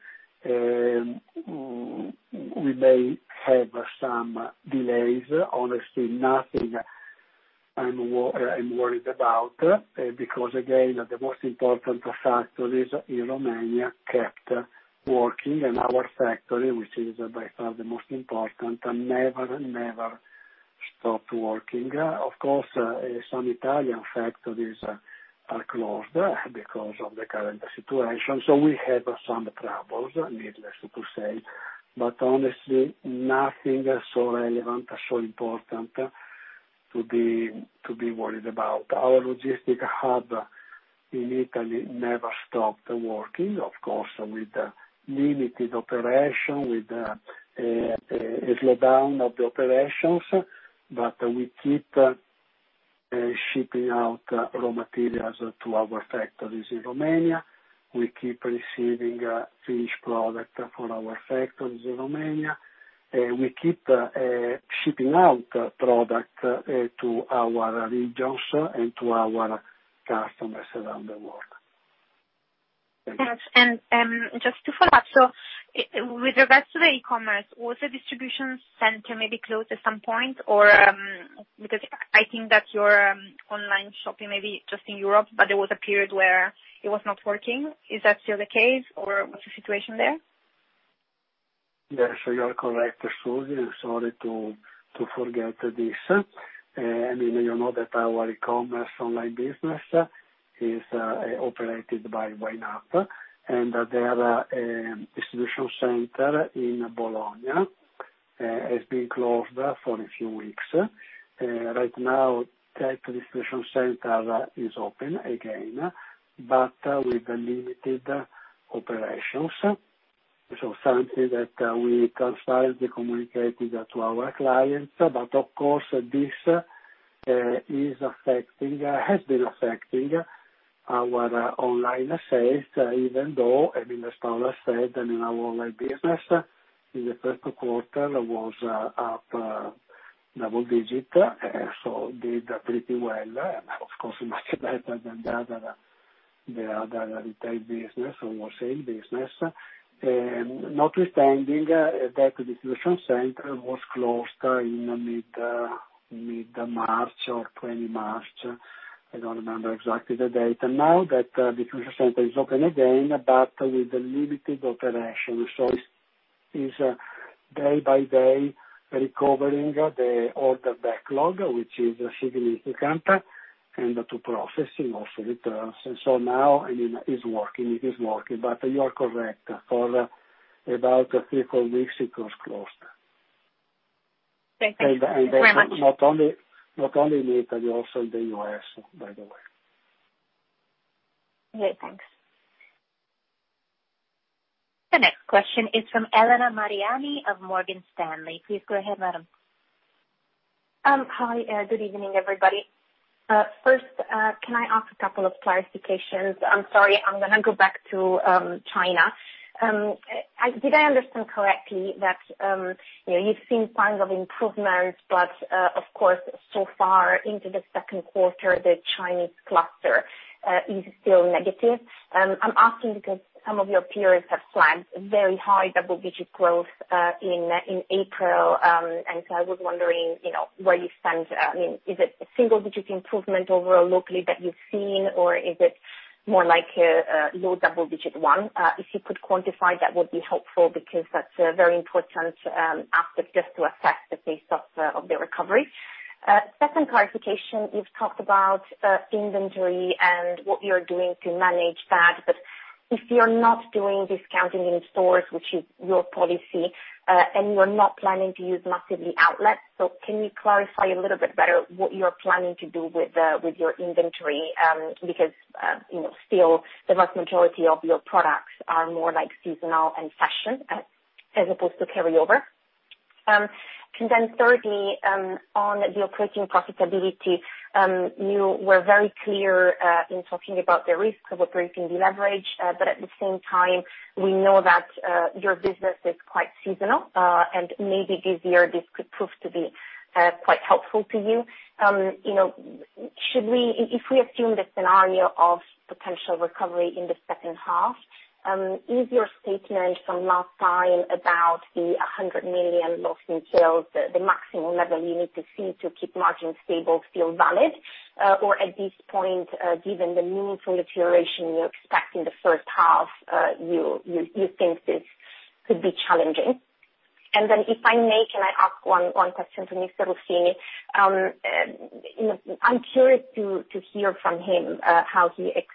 We may have some delays. Honestly, nothing I'm worried about, because again, the most important factories in Romania kept working, and our factory, which is by far the most important, never stopped working. Of course, some Italian factories are closed because of the current situation, so we have some troubles, needless to say. Honestly, nothing so relevant or so important to be worried about. Our logistic hub in Italy never stopped working. Of course, with limited operation, with a slowdown of the operations, we keep shipping out raw materials to our factories in Romania. We keep receiving finished product from our factories in Romania, we keep shipping out product to our regions and to our customers around the world. Thanks. Just to follow up with regards to the e-commerce, was the distribution center maybe closed at some point? I think that your online shopping may be just in Europe, but there was a period where it was not working. Is that still the case, or what's the situation there? Yes, you are correct, Susy, and sorry to forget this. You know that our e-commerce online business is operated by YNAP, and their distribution center in Bologna has been closed for a few weeks. Right now, that distribution center is open again but with limited operations. Something that we transparently communicated to our clients. Of course, this has been affecting our online sales, even though, as Paola said, our online business in the first quarter was up double digits, so did pretty well. Of course, much better than the other retail business or wholesale business. Notwithstanding, that distribution center was closed in mid-March or 20 March. I don't remember exactly the date. Now that distribution center is open again but with limited operations. It's day-by-day, recovering the order backlog, which is significant, and to processing also returns. Now, it's working, but you are correct, for about three, four weeks it was closed. Okay. Thank you very much. Not only Italy, also the U.S., by the way. Great. Thanks. The next question is from Elena Mariani of Morgan Stanley. Please go ahead, madam. Hi. Good evening, everybody. First, can I ask a couple of clarifications? I'm sorry, I'm going to go back to China. Did I understand correctly that you've seen signs of improvement, but of course, so far into the second quarter, the Chinese cluster is still negative? I'm asking because some of your peers have flagged very high double-digit growth, in April. I was wondering where you stand. Is it a single-digit improvement overall locally that you've seen, or is it more like a low double-digit one? If you could quantify, that would be helpful because that's a very important aspect just to assess the pace of the recovery. Second clarification, you've talked about inventory and what you're doing to manage that. If you're not doing discounting in stores, which is your policy, and you are not planning to use massively outlets, so can you clarify a little bit better what you are planning to do with your inventory? Because still, the vast majority of your products are more like seasonal and fashion as opposed to carryover. Thirdly, on the operating profitability, you were very clear, in talking about the risk of operating leverage. At the same time, we know that your business is quite seasonal, and maybe this year this could prove to be quite helpful to you. If we assume the scenario of potential recovery in the second half, is your statement from last time about the 100 million loss in sales, the maximum level you need to see to keep margins stable, still valid? At this point, given the meaningful deterioration you expect in the first half, you think this could be challenging? Then if I may, can I ask one question for Mr. Ruffini? I'm curious to hear from him how he expects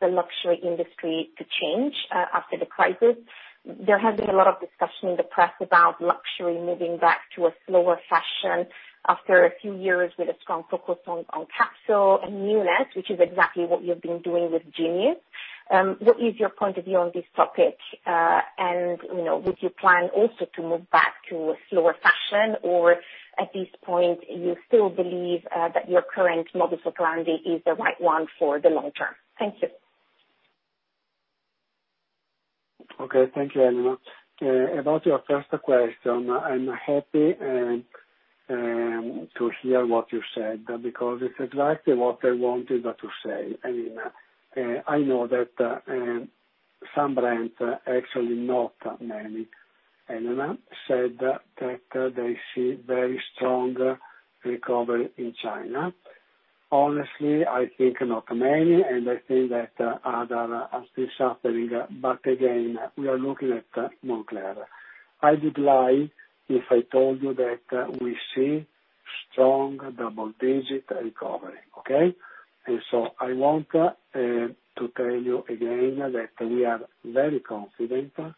the luxury industry to change after the crisis. There has been a lot of discussion in the press about luxury moving back to a slower fashion after a few years with a strong focus on capsule and newness, which is exactly what you've been doing with Genius. What is your point of view on this topic? Would you plan also to move back to slower fashion, or at this point, you still believe that your current model for branding is the right one for the long term? Thank you. Okay. Thank you, Elena. About your first question, I'm happy to hear what you said because it's exactly what I wanted to say. I know that some brands, actually not many, Elena, said that they see very strong recovery in China. Honestly, I think not many. I think that others are still suffering. Again, we are looking at Moncler. I'd lie if I told you that we see strong double-digit recovery, okay? I want to tell you again that we are very confident, that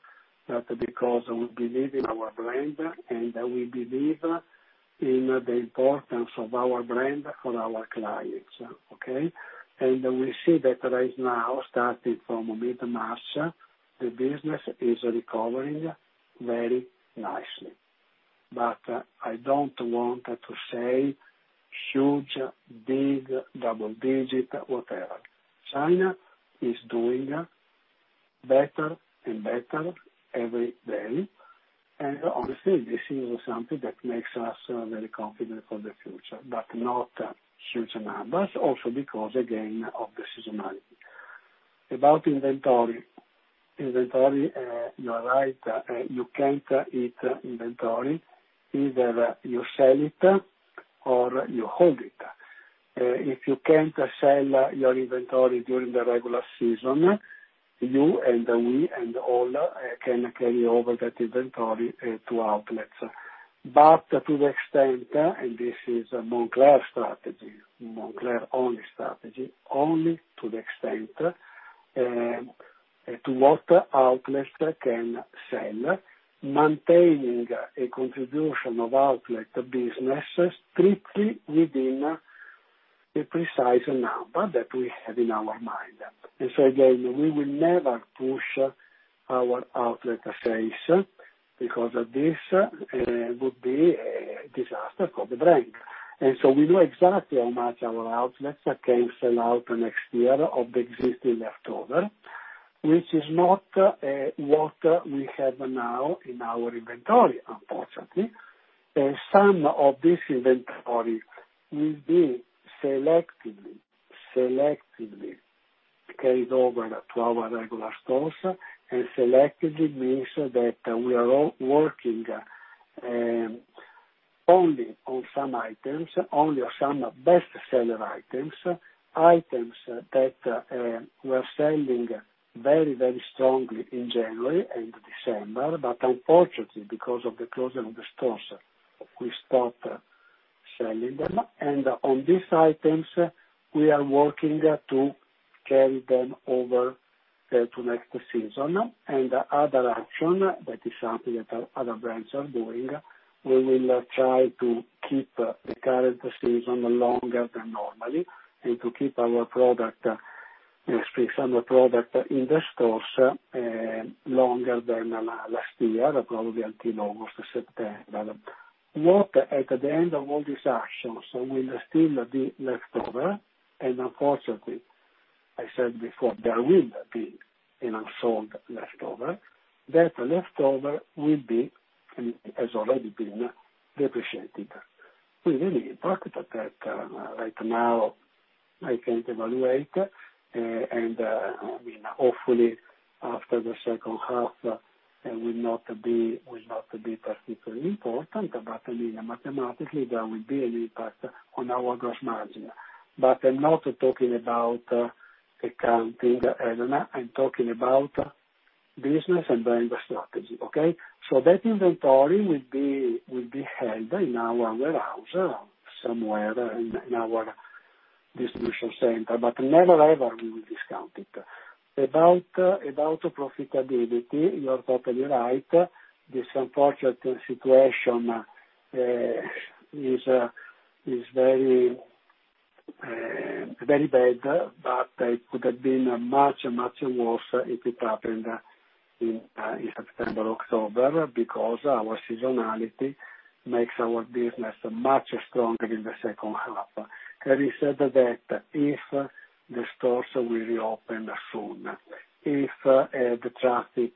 because we believe in our brand and we believe in the importance of our brand for our clients. Okay? We see that right now, starting from mid-March, the business is recovering very nicely. I don't want to say huge, big, double-digit, whatever. China is doing better and better every day. Honestly, this is something that makes us very confident for the future, but not huge numbers also because, again, of the seasonality. About inventory. Inventory, you are right, you can't eat inventory. Either you sell it or you hold it. If you can't sell your inventory during the regular season, you and we and all can carry over that inventory to outlets. To the extent, and this is Moncler strategy, Moncler only strategy, only to the extent to what outlets can sell, maintaining a contribution of outlet business strictly within a precise number that we have in our mind. So again, we will never push our outlet sales because this would be a disaster for the brand. So we know exactly how much our outlets can sell out next year of the existing leftover, which is not what we have now in our inventory, unfortunately. Some of this inventory will be selectively carried over to our regular stores. Selectively means that we are all working only on some items, only on some best seller items. Items that were selling very strongly in January and December, unfortunately, because of the closing of the stores, we stopped selling them. On these items, we are working to carry them over to next season. Other action, that is something that our other brands are doing, we will try to keep the current season longer than normally, and to keep our spring/summer product in the stores longer than last year, probably until August or September. What, at the end of all these actions, will still be leftover, unfortunately, I said before, there will be an unsold leftover, that leftover has already been depreciated. The real impact that right now, I can't evaluate, and hopefully after the second half, it will not be particularly important, but mathematically, there will be an impact on our gross margin. I'm not talking about accounting, Elena, I'm talking about business and brand strategy. Okay? That inventory will be held in our warehouse or somewhere in our distribution center, but never ever we will discount it. About profitability, you're totally right. This unfortunate situation is very bad, but it could have been much worse if it happened in September, October, because our seasonality makes our business much stronger in the second half. Having said that, if the stores will reopen soon, if the traffic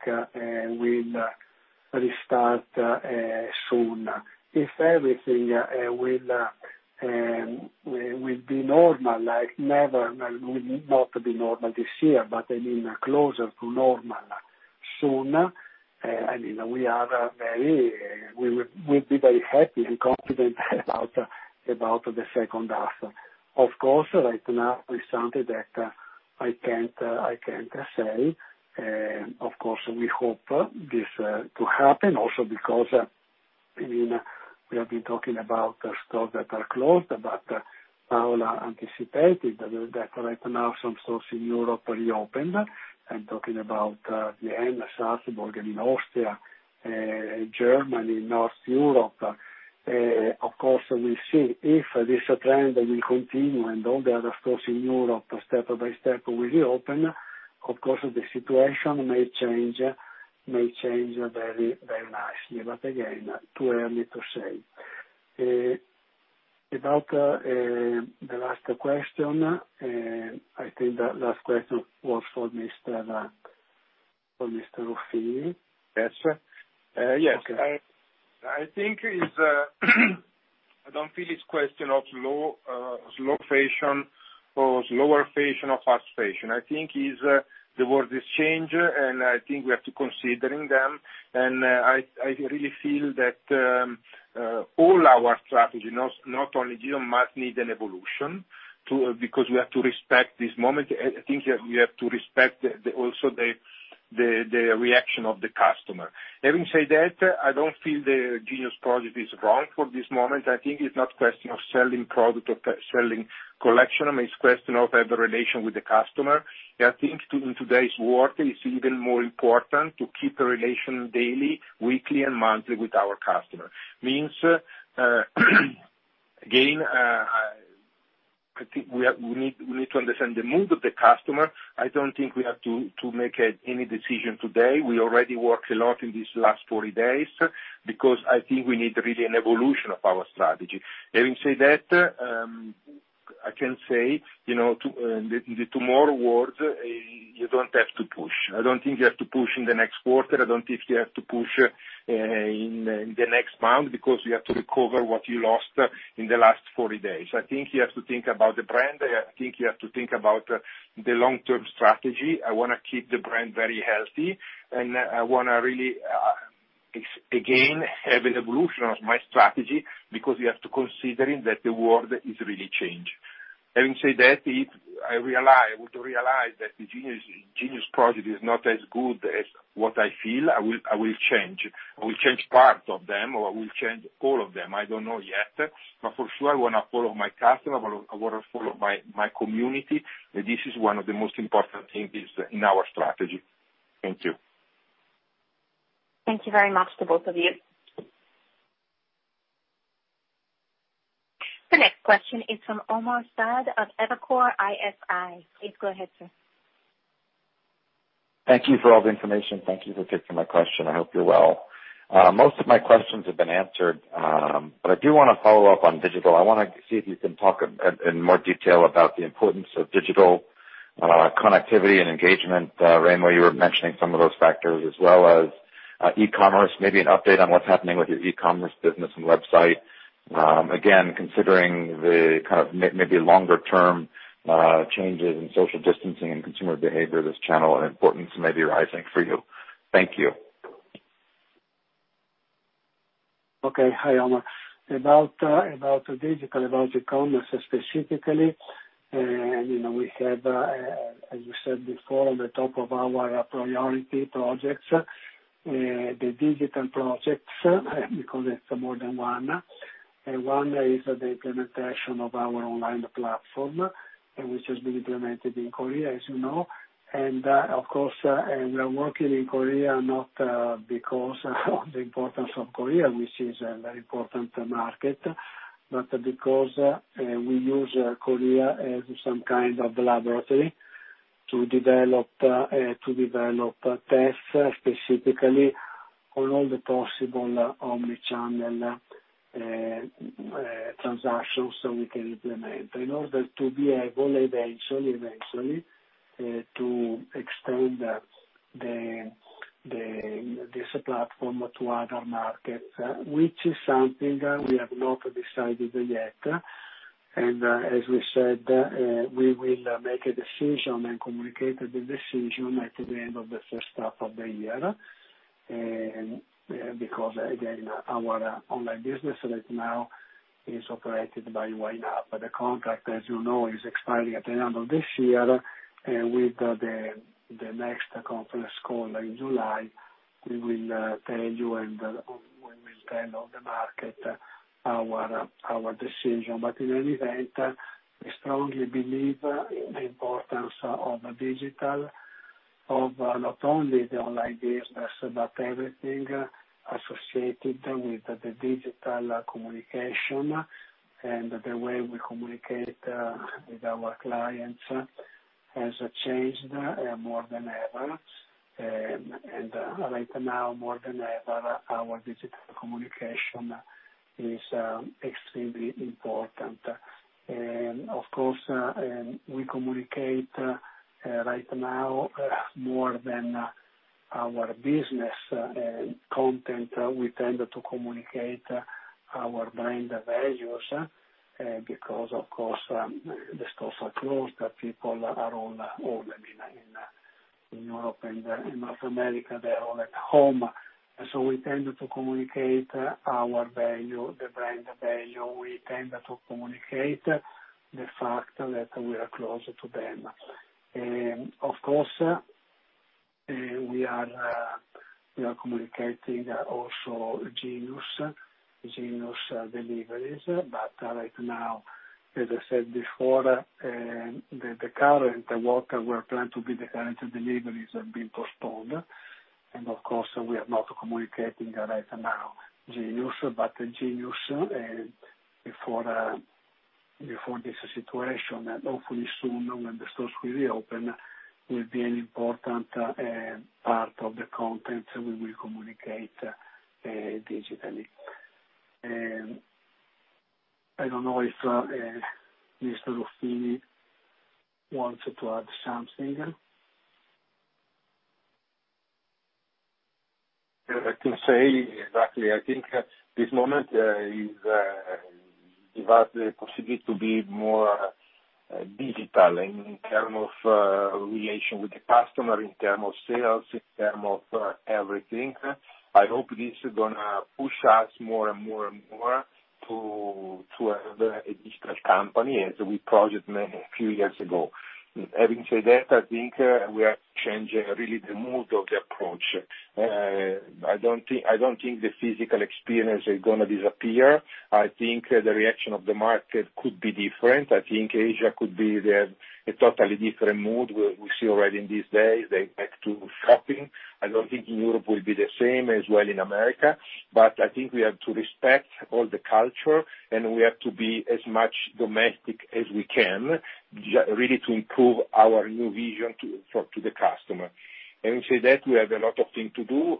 will restart soon, if everything will be normal, it will not be normal this year, but closer to normal soon, we'd be very happy and confident about the second half. Of course, right now it's something that I can't say. Of course, we hope this to happen also because we have been talking about stores that are closed, but Paola anticipated that right now some stores in Europe reopened. I'm talking about Vienna, Salzburg in Austria, Germany, North Europe. Of course, we'll see if this trend will continue and all the other stores in Europe step by step will reopen. Of course, the situation may change very nicely. Again, too early to say. About the last question, I think the last question was for Mr. Ruffini. Yes. Yes. I don't feel it's question of slow fashion or slower fashion or fast fashion. I think the world is changing, and I think we have to considering them. I really feel that all our strategy, not only Genius, must need an evolution, because we have to respect this moment. I think we have to respect also the reaction of the customer. Having said that, I don't feel the Genius project is wrong for this moment. I think it's not question of selling product or selling collection. It's question of have a relation with the customer. I think in today's world, it's even more important to keep a relation daily, weekly, and monthly with our customer. Means, again, I think we need to understand the mood of the customer. I don't think we have to make any decision today. We already worked a lot in these last 40 days, because I think we need really an evolution of our strategy. Having said that, I can say, in other words, you don't have to push. I don't think you have to push in the next quarter. I don't think you have to push in the next month because you have to recover what you lost in the last 40 days. I think you have to think about the brand. I think you have to think about the long-term strategy. I want to keep the brand very healthy, and I want to really, again, have an evolution of my strategy, because you have to considering that the world is really changed. Having said that, if I were to realize that the Genius project is not as good as what I feel, I will change. I will change parts of them, or I will change all of them. I don't know yet. For sure, I want to follow my customer, I want to follow my community. This is one of the most important things in our strategy. Thank you. Thank you very much to both of you. The next question is from Omar Saad of Evercore ISI. Please go ahead, sir. Thank you for all the information. Thank you for taking my question. I hope you're well. Most of my questions have been answered, I do want to follow up on digital. I want to see if you can talk in more detail about the importance of digital connectivity and engagement. Remo, you were mentioning some of those factors as well as e-commerce. Maybe an update on what's happening with your e-commerce business and website. Considering the kind of maybe longer term changes in social distancing and consumer behavior, this channel and importance may be rising for you. Thank you. Okay. Hi, Omar. About digital, about e-commerce specifically, we have, as you said before, on the top of our priority projects, the digital projects, because it's more than one. One is the implementation of our online platform, which has been implemented in Korea, as you know. Of course, we are working in Korea, not because of the importance of Korea, which is a very important market, but because we use Korea as some kind of laboratory to develop tests specifically on all the possible omni-channel transactions that we can implement in order to be able, eventually, to extend this platform to other markets, which is something we have not decided yet. As we said, we will make a decision and communicate the decision at the end of the first half of the year. Because, again, our online business right now is operated by YNAP, but the contract, as you know, is expiring at the end of this year. With the next conference call in July, we will tell you, and we will tell all the market our decision. In any event, we strongly believe in the importance of digital, of not only the online business but everything associated with digital communication. The way we communicate with our clients has changed more than ever. Right now, more than ever, our digital communication is extremely important. Of course, we communicate right now more than our business content. We tend to communicate our brand values because of course, the stores are closed, people are all at home in Europe and in North America. They're all at home. We tend to communicate our value, the brand value. We tend to communicate the fact that we are closer to them. We are communicating also Genius deliveries. Right now, as I said before, what we are planning to be the current deliveries have been postponed. We are not communicating right now, Genius. But Genius, before this situation, and hopefully soon when the stores will reopen, will be an important part of the content we will communicate digitally. I don't know if Mr. Ruffini wants to add something. I can say exactly. I think this moment give us the possibility to be more digital in term of relation with the customer, in term of sales, in term of everything. I hope this is going to push us more and more and more to have a digital company as we projected a few years ago. Having said that, I think we are changing really the mood of the approach. I don't think the physical experience is going to disappear. I think the reaction of the market could be different. I think Asia could be a totally different mood. We see already in these days they're back to shopping. I don't think Europe will be the same, as well in America. I think we have to respect all the culture, and we have to be as much domestic as we can, really to improve our new vision to the customer. Having said that, we have a lot of things to do.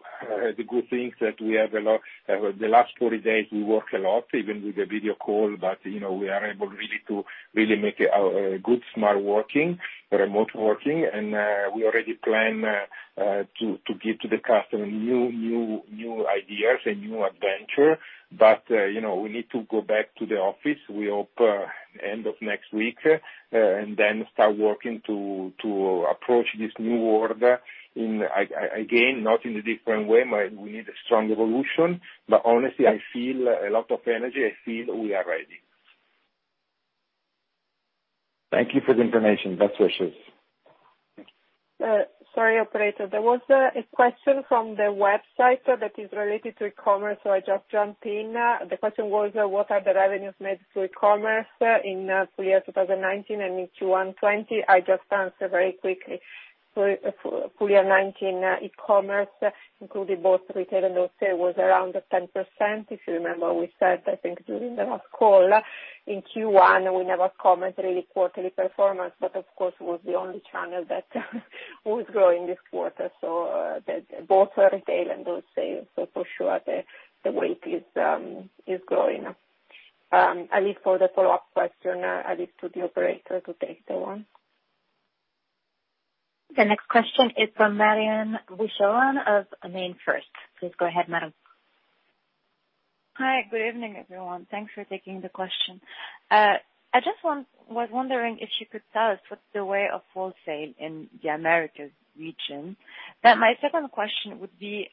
The good thing is that the last 40 days, we work a lot, even with the video call, but we are able really to make a good, smart working, remote working. We already plan to give to the customer new ideas, a new adventure. We need to go back to the office. We hope end of next week, and then start working to approach this new order in, again, not in a different way, but we need a strong evolution. Honestly, I feel a lot of energy. I feel we are ready. Thank you for the information. Best wishes. Thank you. Sorry, operator. There was a question from the website that is related to e-commerce, I just jump in. The question was, what are the revenues made through e-commerce in full year 2019 and in Q1 2020? I just answer very quickly. Full year 2019 e-commerce, including both retail and wholesale, was around 10%. If you remember, we said, I think during the last call, in Q1, we never comment really quarterly performance, but of course, it was the only channel that was growing this quarter, both for retail and wholesale. For sure, the weight is growing. I leave for the follow-up question, I leave to the operator to take the one. The next question is from Marion Boucheron of MainFirst. Please go ahead, madam. Hi. Good evening, everyone. Thanks for taking the question. I just was wondering if you could tell us what's the weight of wholesale in the Americas region? My second question would be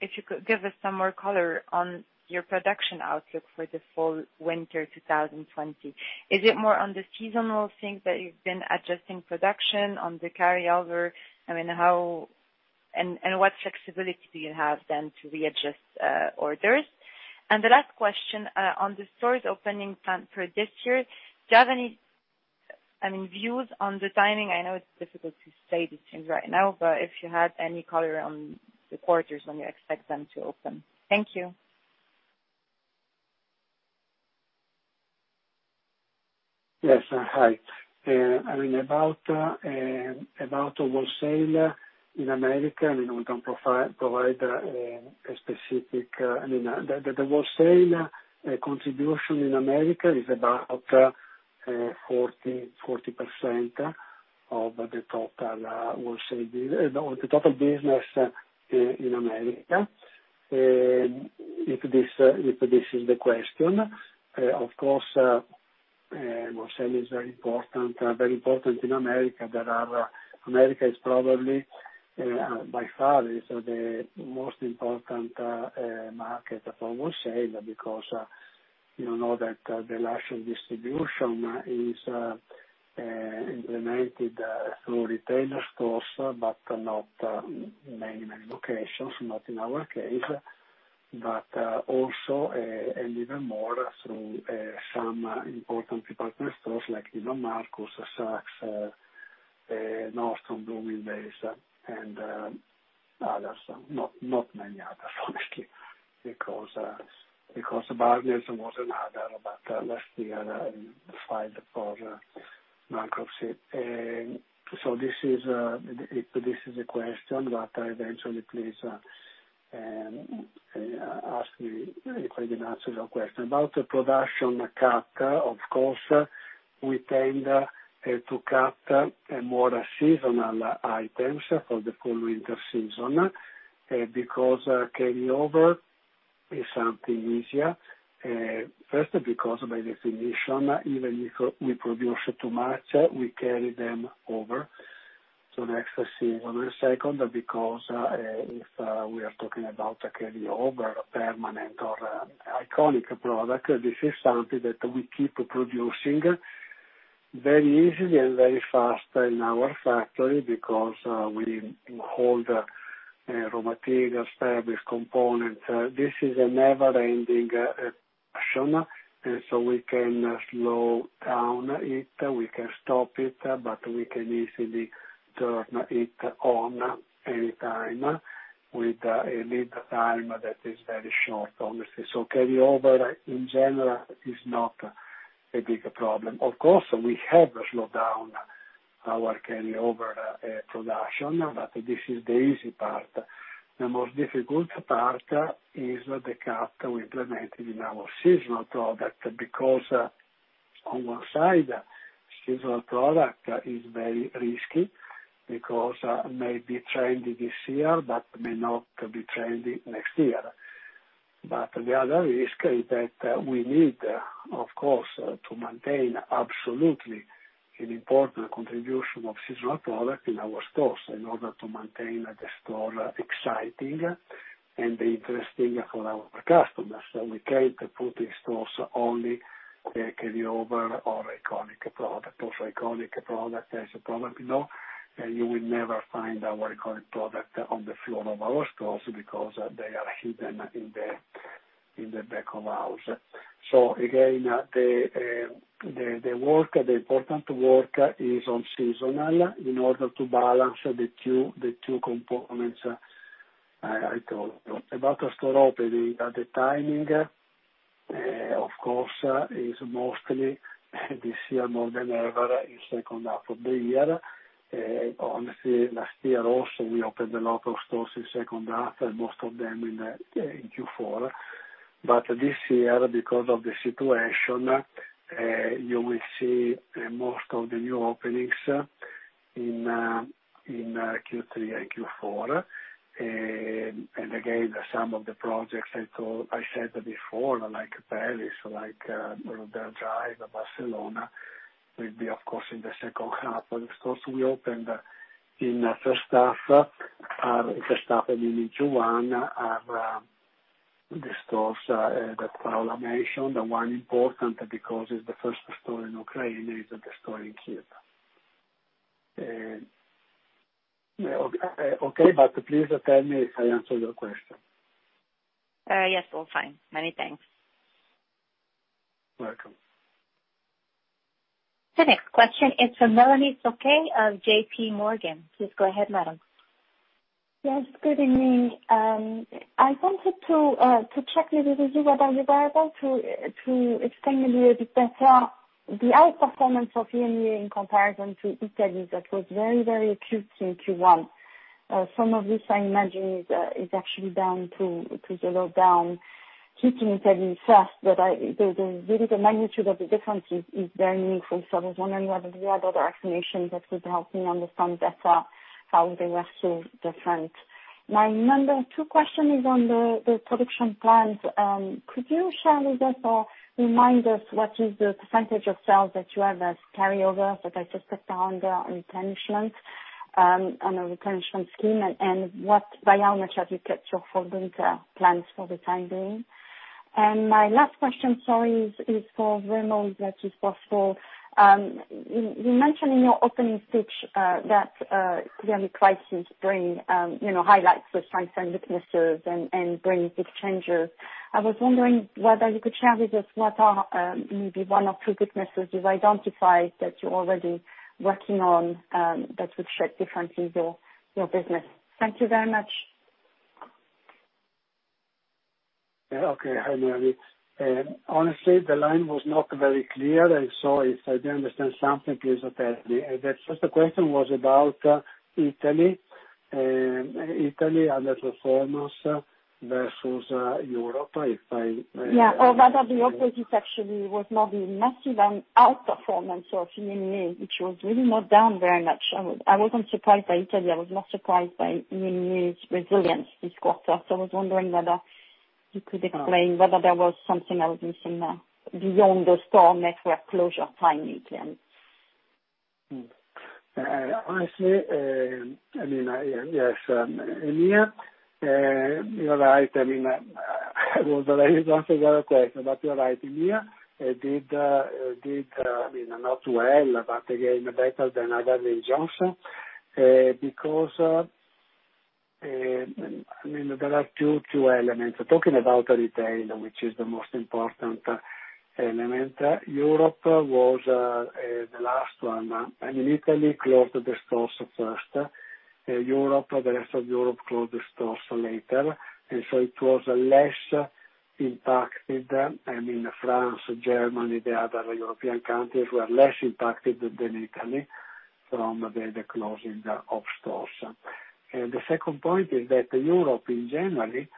if you could give us some more color on your production outlook for the fall/winter 2020. Is it more on the seasonal things that you've been adjusting production on the carryover? What flexibility do you have then to readjust orders? The last question, on the stores opening plan for this year, do you have any views on the timing? I know it's difficult to say these things right now, if you had any color on the quarters when you expect them to open. Thank you. Yes. Hi. About wholesale in America, the wholesale contribution in America is about 40% of the total business in America. If this is the question. Of course, wholesale is very important in America. America is probably, by far, is the most important market for wholesale because you know that the retail distribution is implemented through retailer stores, but not many locations, not in our case, but also a little more through some important department stores like Neiman Marcus, Saks, Nordstrom, Bloomingdale's, and others. Not many others, honestly, because Barneys was another, but last year they filed for bankruptcy. This is a question that eventually, please ask me if I did not answer your question. About the production cut, of course, we tend to cut more seasonal items for the fall/winter season, because carryover is something easier. First, because by definition, even if we produce too much, we carry them over to the next season. Second, because if we are talking about a carryover permanent or iconic product, this is something that we keep producing very easily and very fast in our factory because we hold raw materials, fabrics, components. This is a never-ending action. We can slow down it, we can stop it, but we can easily turn it on any time with a lead time that is very short, obviously. Carryover in general is not a big problem. Of course, we have slowed down our carryover production, but this is the easy part. The most difficult part is the cut we implemented in our seasonal product, because on one side, seasonal product is very risky because may be trendy this year but may not be trendy next year. The other risk is that we need, of course, to maintain absolutely an important contribution of seasonal product in our stores in order to maintain the store exciting and interesting for our customers. We can't put in stores only carryover or iconic product. Also iconic product, as you probably know, you will never find our iconic product on the floor of our stores because they are hidden in the back of house. Again, the important work is on seasonal in order to balance the two components I told you. About store opening, the timing, of course, is mostly this year more than ever in second half of the year. Honestly, last year also, we opened a lot of stores in second half, most of them in Q4. This year, because of the situation, you will see most of the new openings in Q3 and Q4. Again, some of the projects I said before, like Paris, like Rodeo Drive, Barcelona, will be, of course, in the second half. The stores we opened in first half, in June, are the stores that Paola mentioned. One important because it's the first store in Ukraine, is the store in Kyiv. Okay, please tell me if I answered your question. Yes, all fine. Many thanks. Welcome. The next question is from Mélanie Flouquet of JPMorgan. Please go ahead, madam. Yes, good evening. I wanted to check with you, whether you are able to explain to me a bit better the outperformance of EMEA in comparison to Italy that was very acute in Q1. Some of this I imagine is actually down to the lockdown hitting Italy first, but really the magnitude of the difference is very meaningful. I was wondering whether you had other explanations that would help me understand better how they were so different. My number two question is on the production plans. Could you share with us or remind us what is the percentage of sales that you have as carryover? That I just put down there on replenishment scheme. By how much have you cut your fall/winter plans for the time being? My last question, sorry, is for Remo, if that is possible. You mentioned in your opening pitch that pandemic crisis bring highlights the strengths and weaknesses and brings big changes. I was wondering whether you could share with us what are maybe one or two weaknesses you've identified that you're already working on that would shape differently your business. Thank you very much. Okay. Hi, Mélanie. Honestly, the line was not very clear. If I didn't understand something, please tell me. The first question was about Italy underperformance versus Europe. Yeah. Rather the opposite, actually, was not a massive outperformance of EMEA, which was really not down very much. I wasn't surprised by Italy. I was more surprised by EMEA's resilience this quarter. I was wondering whether you could explain whether there was something I was missing there beyond the store network closure timing plan. Honestly, yes, EMEA, you're right. I mean, I would have answered the other question, but you're right. In here, it did not well, but again, better than other in general. There are two elements. Talking about retail, which is the most important element. Europe was the last one. In Italy, closed the stores first. The rest of Europe closed the stores later. It was less impacted. I mean, France, Germany, the other European countries were less impacted than Italy from the closing of stores. The second point is that Europe, in January,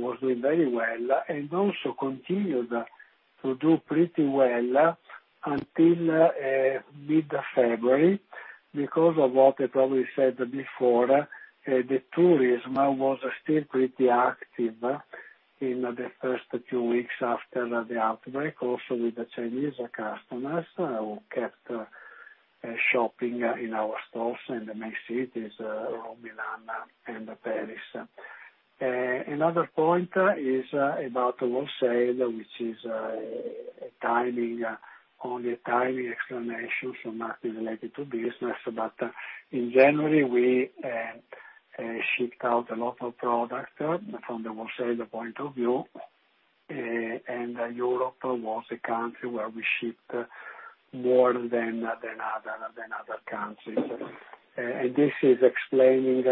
was doing very well and also continued to do pretty well until mid-February because of what I probably said before, the tourism was still pretty active in the first two weeks after the outbreak, also with the Chinese customers who kept shopping in our stores in the main cities, Rome, Milan, and Paris. Another point is about wholesale, which is only a timing explanation, nothing related to business. In January, we shipped out a lot of product from the wholesale point of view, and Europe was a country where we shipped more than other countries. This is explaining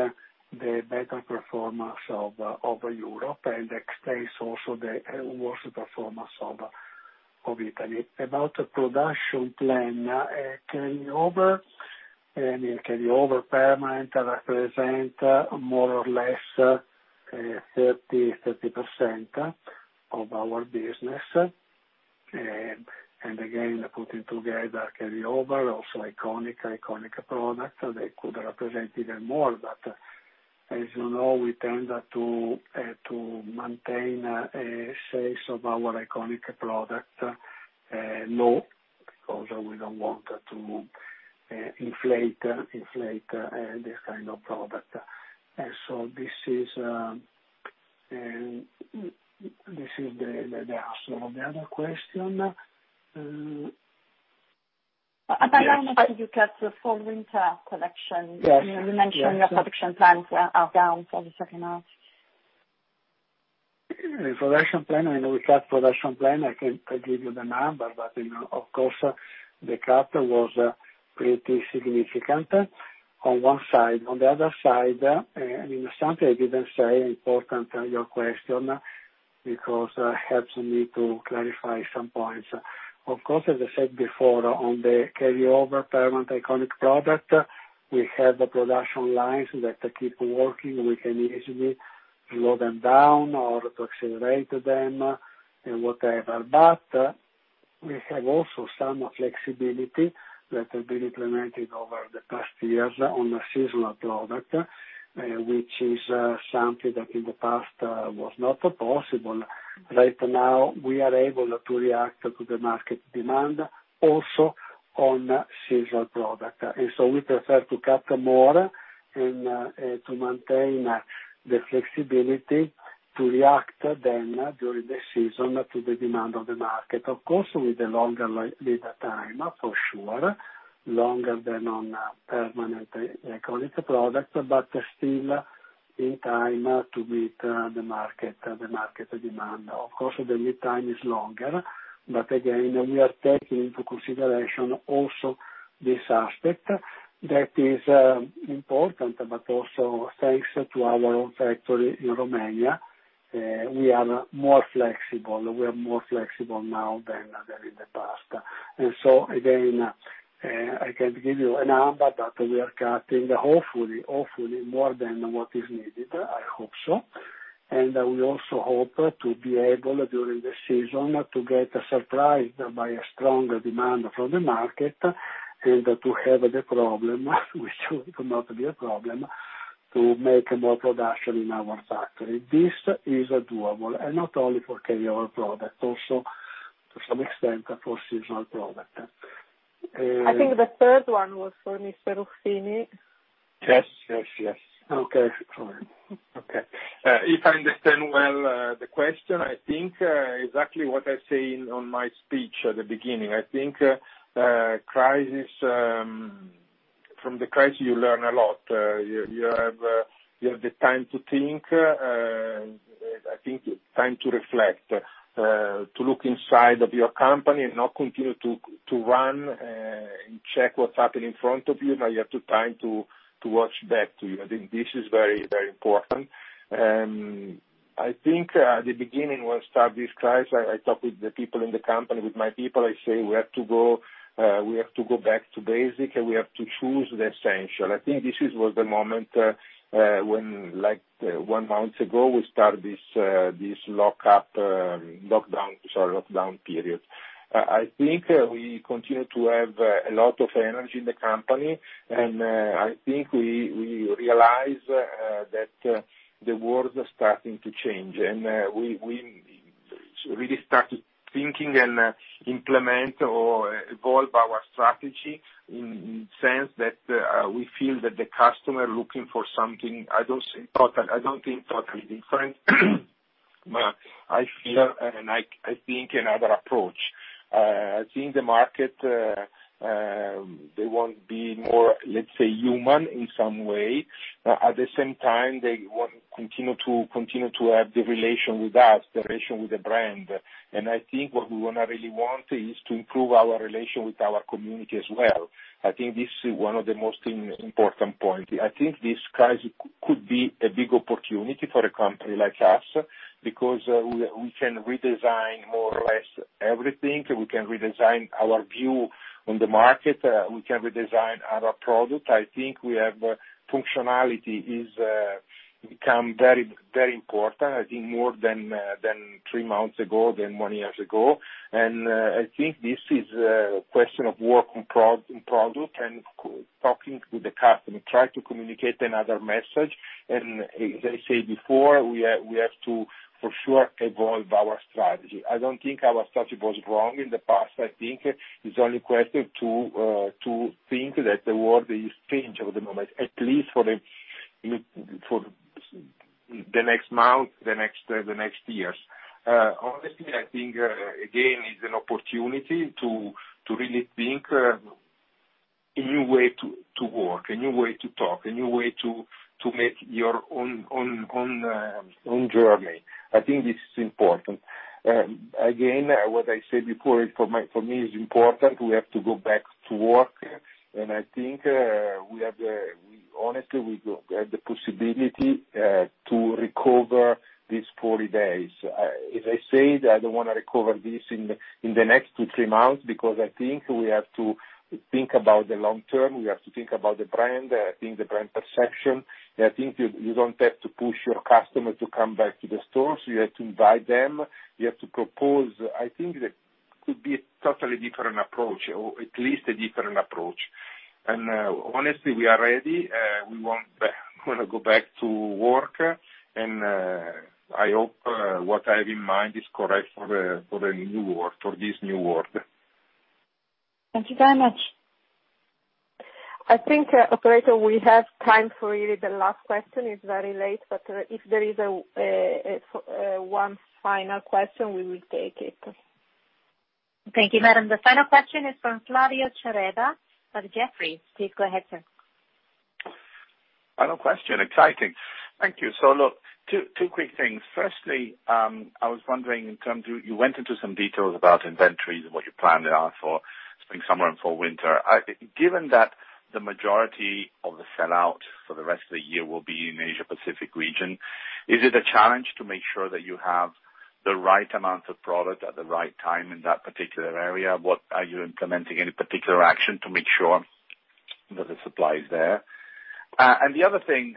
the better performance of Europe and explains also the worst performance of Italy. About the production plan, carry over permanent represent more or less 30% of our business. Again, putting together carry over, also iconic product, they could represent even more. As you know, we tend to maintain sales of our iconic product low because we don't want to inflate this kind of product. This is the answer of the other question. About how much have you cut the fall/winter collection? Yes. You mentioned your production plans are down for the second half. Production plan, we cut production plan, I can give you the number, but of course, the cut was pretty significant on one side. On the other side, something I didn't say, important your question, because it helps me to clarify some points. Of course, as I said before, on the carry over permanent iconic product, we have the production lines that keep working. We can easily slow them down or to accelerate them, and whatever. We have also some flexibility that has been implemented over the past years on a seasonal product, which is something that in the past was not possible. Right now, we are able to react to the market demand also on seasonal product. We prefer to cut more and to maintain the flexibility to react then during the season to the demand of the market. Of course, with a longer lead time, for sure, longer than on permanent iconic product, but still in time to meet the market demand. Of course, the lead time is longer, but again, we are taking into consideration also this aspect that is important, but also thanks to our own factory in Romania, we are more flexible now than in the past. Again, I can't give you a number, but we are cutting hopefully more than what is needed. I hope so. We also hope to be able, during the season, to get surprised by a strong demand from the market and to have the problem which will not be a problem, to make more production in our factory. This is doable and not only for carryover product, also to some extent, for seasonal product. I think the third one was for Mr. Ruffini. Yes. Okay, sorry. If I understand well the question, I think exactly what I say on my speech at the beginning. I think from the crisis, you learn a lot. You have the time to think, I think time to reflect, to look inside of your company and not continue to run and check what's happening in front of you. Now you have to try to watch back to you. I think this is very important. I think at the beginning, when start this crisis, I talked with the people in the company, with my people. I say, "We have to go back to basic, and we have to choose the essential." I think this was the moment, when one month ago, we start this lockdown period. I think we continue to have a lot of energy in the company, and I think we realize that the world is starting to change, and we really started thinking and implement or evolve our strategy in sense that we feel that the customer looking for something, I don't think totally different. I feel and I think another approach. I think the market, they want to be more, let's say, human in some way. At the same time, they want to continue to have the relation with us, the relation with the brand. I think what we want and really want is to improve our relation with our community as well. I think this is one of the most important point. I think this crisis could be a big opportunity for a company like us because we can redesign more or less everything. We can redesign our view on the market. We can redesign our product. I think functionality is become very important, I think more than three months ago, than one years ago. I think this is a question of work in product and talking to the customer, try to communicate another message. As I said before, we have to, for sure, evolve our strategy. I don't think our strategy was wrong in the past. I think it's only question to think that the world is changed over the moment, at least for the next month, the next years. Honestly, I think again, it's an opportunity to really think a new way to work, a new way to talk, a new way to make your own journey. I think this is important. Again, what I said before, for me, it's important. We have to go back to work. I think, honestly, we have the possibility to recover these 40 days. As I said, I don't want to recover this in the next two, three months because I think we have to think about the long term. We have to think about the brand. I think the brand perception. I think you don't have to push your customer to come back to the store. You have to invite them, you have to propose. I think that could be a totally different approach or at least a different approach. Honestly, we are ready. We want to go back to work. I hope what I have in mind is correct for the new world, for this new world. Thank you very much. I think, operator, we have time for really the last question. It's very late, but if there is one final question, we will take it. Thank you, madam. The final question is from Flavio Cereda of Jefferies. Please go ahead, sir. Final question. Exciting. Thank you. Look, two quick things. Firstly, I was wondering, you went into some details about inventories and what you planned out for spring/summer and fall/winter. Given that the majority of the sell-out for the rest of the year will be in Asia Pacific region, is it a challenge to make sure that you have the right amount of product at the right time in that particular area? Are you implementing any particular action to make sure that the supply is there? The other thing,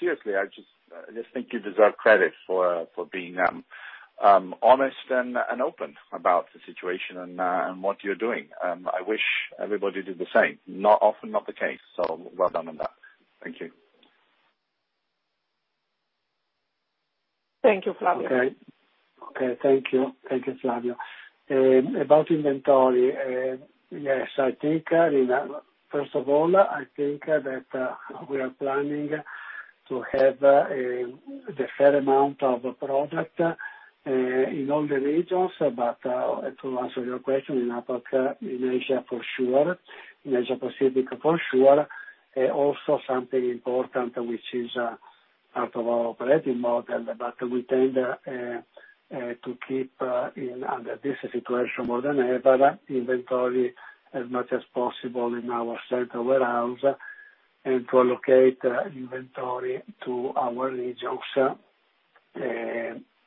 seriously, I just think you deserve credit for being honest and open about the situation and what you're doing. I wish everybody did the same. Not often not the case. Well done on that. Thank you. Thank you, Flavio. Okay. Thank you, Flavio. About inventory. First of all, I think that we are planning to have the fair amount of product in all the regions. To answer your question, in APAC, in Asia for sure, in Asia Pacific for sure. Something important which is out of our operating model, but we tend to keep, in this situation more than ever, inventory as much as possible in our central warehouse and to allocate inventory to our regions.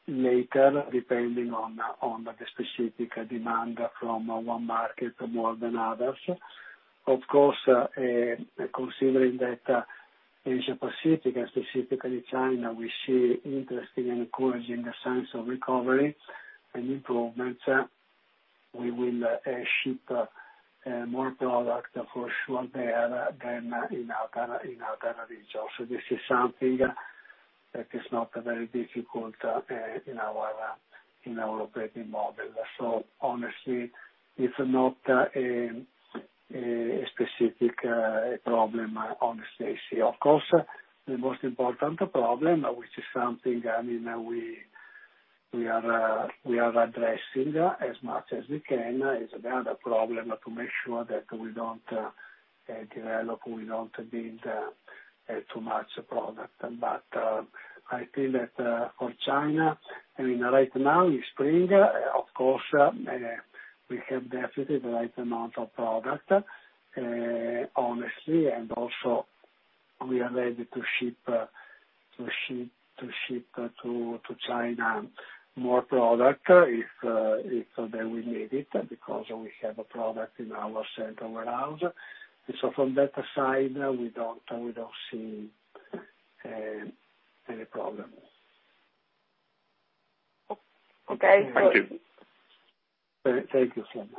Later, depending on the specific demand from one market more than others. Considering that Asia Pacific, and specifically China, we see interesting and encouraging signs of recovery and improvements. We will ship more product for sure there than in other regions. This is something that is not very difficult in our operating model. Honestly, it's not a specific problem, honestly. The most important problem, which is something we are addressing as much as we can, is the other problem to make sure that we don't develop, we don't build too much product. I feel that for China, right now, it's spring, of course, we have definitely the right amount of product, honestly, and also we are ready to ship to China more product if we need it, because we have a product in our central warehouse. From that side, we don't see any problem. Okay. Thank you. Thank you.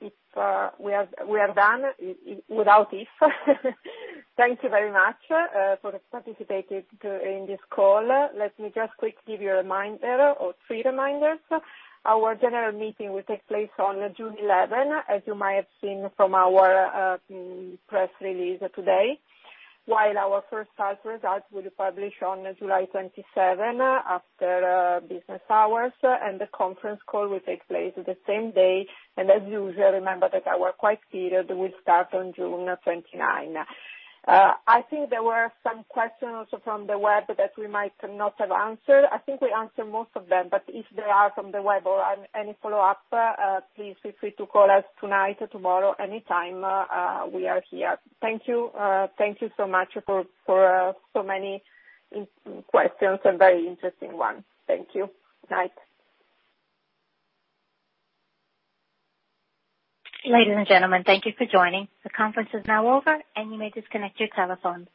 If we are done, thank you very much for participating in this call. Let me just quick give you a reminder or three reminders. Our general meeting will take place on June 11, as you might have seen from our press release today. Our first half results will be published on July 27, after business hours, and the conference call will take place the same day. As usual, remember that our quiet period will start on June 29. I think there were some questions from the web that we might not have answered. I think we answered most of them, but if they are from the web or any follow-up, please feel free to call us tonight or tomorrow, anytime we are here. Thank you so much for so many questions and very interesting one. Thank you. Good night. Ladies and gentlemen, thank you for joining. The conference is now over, and you may disconnect your telephones.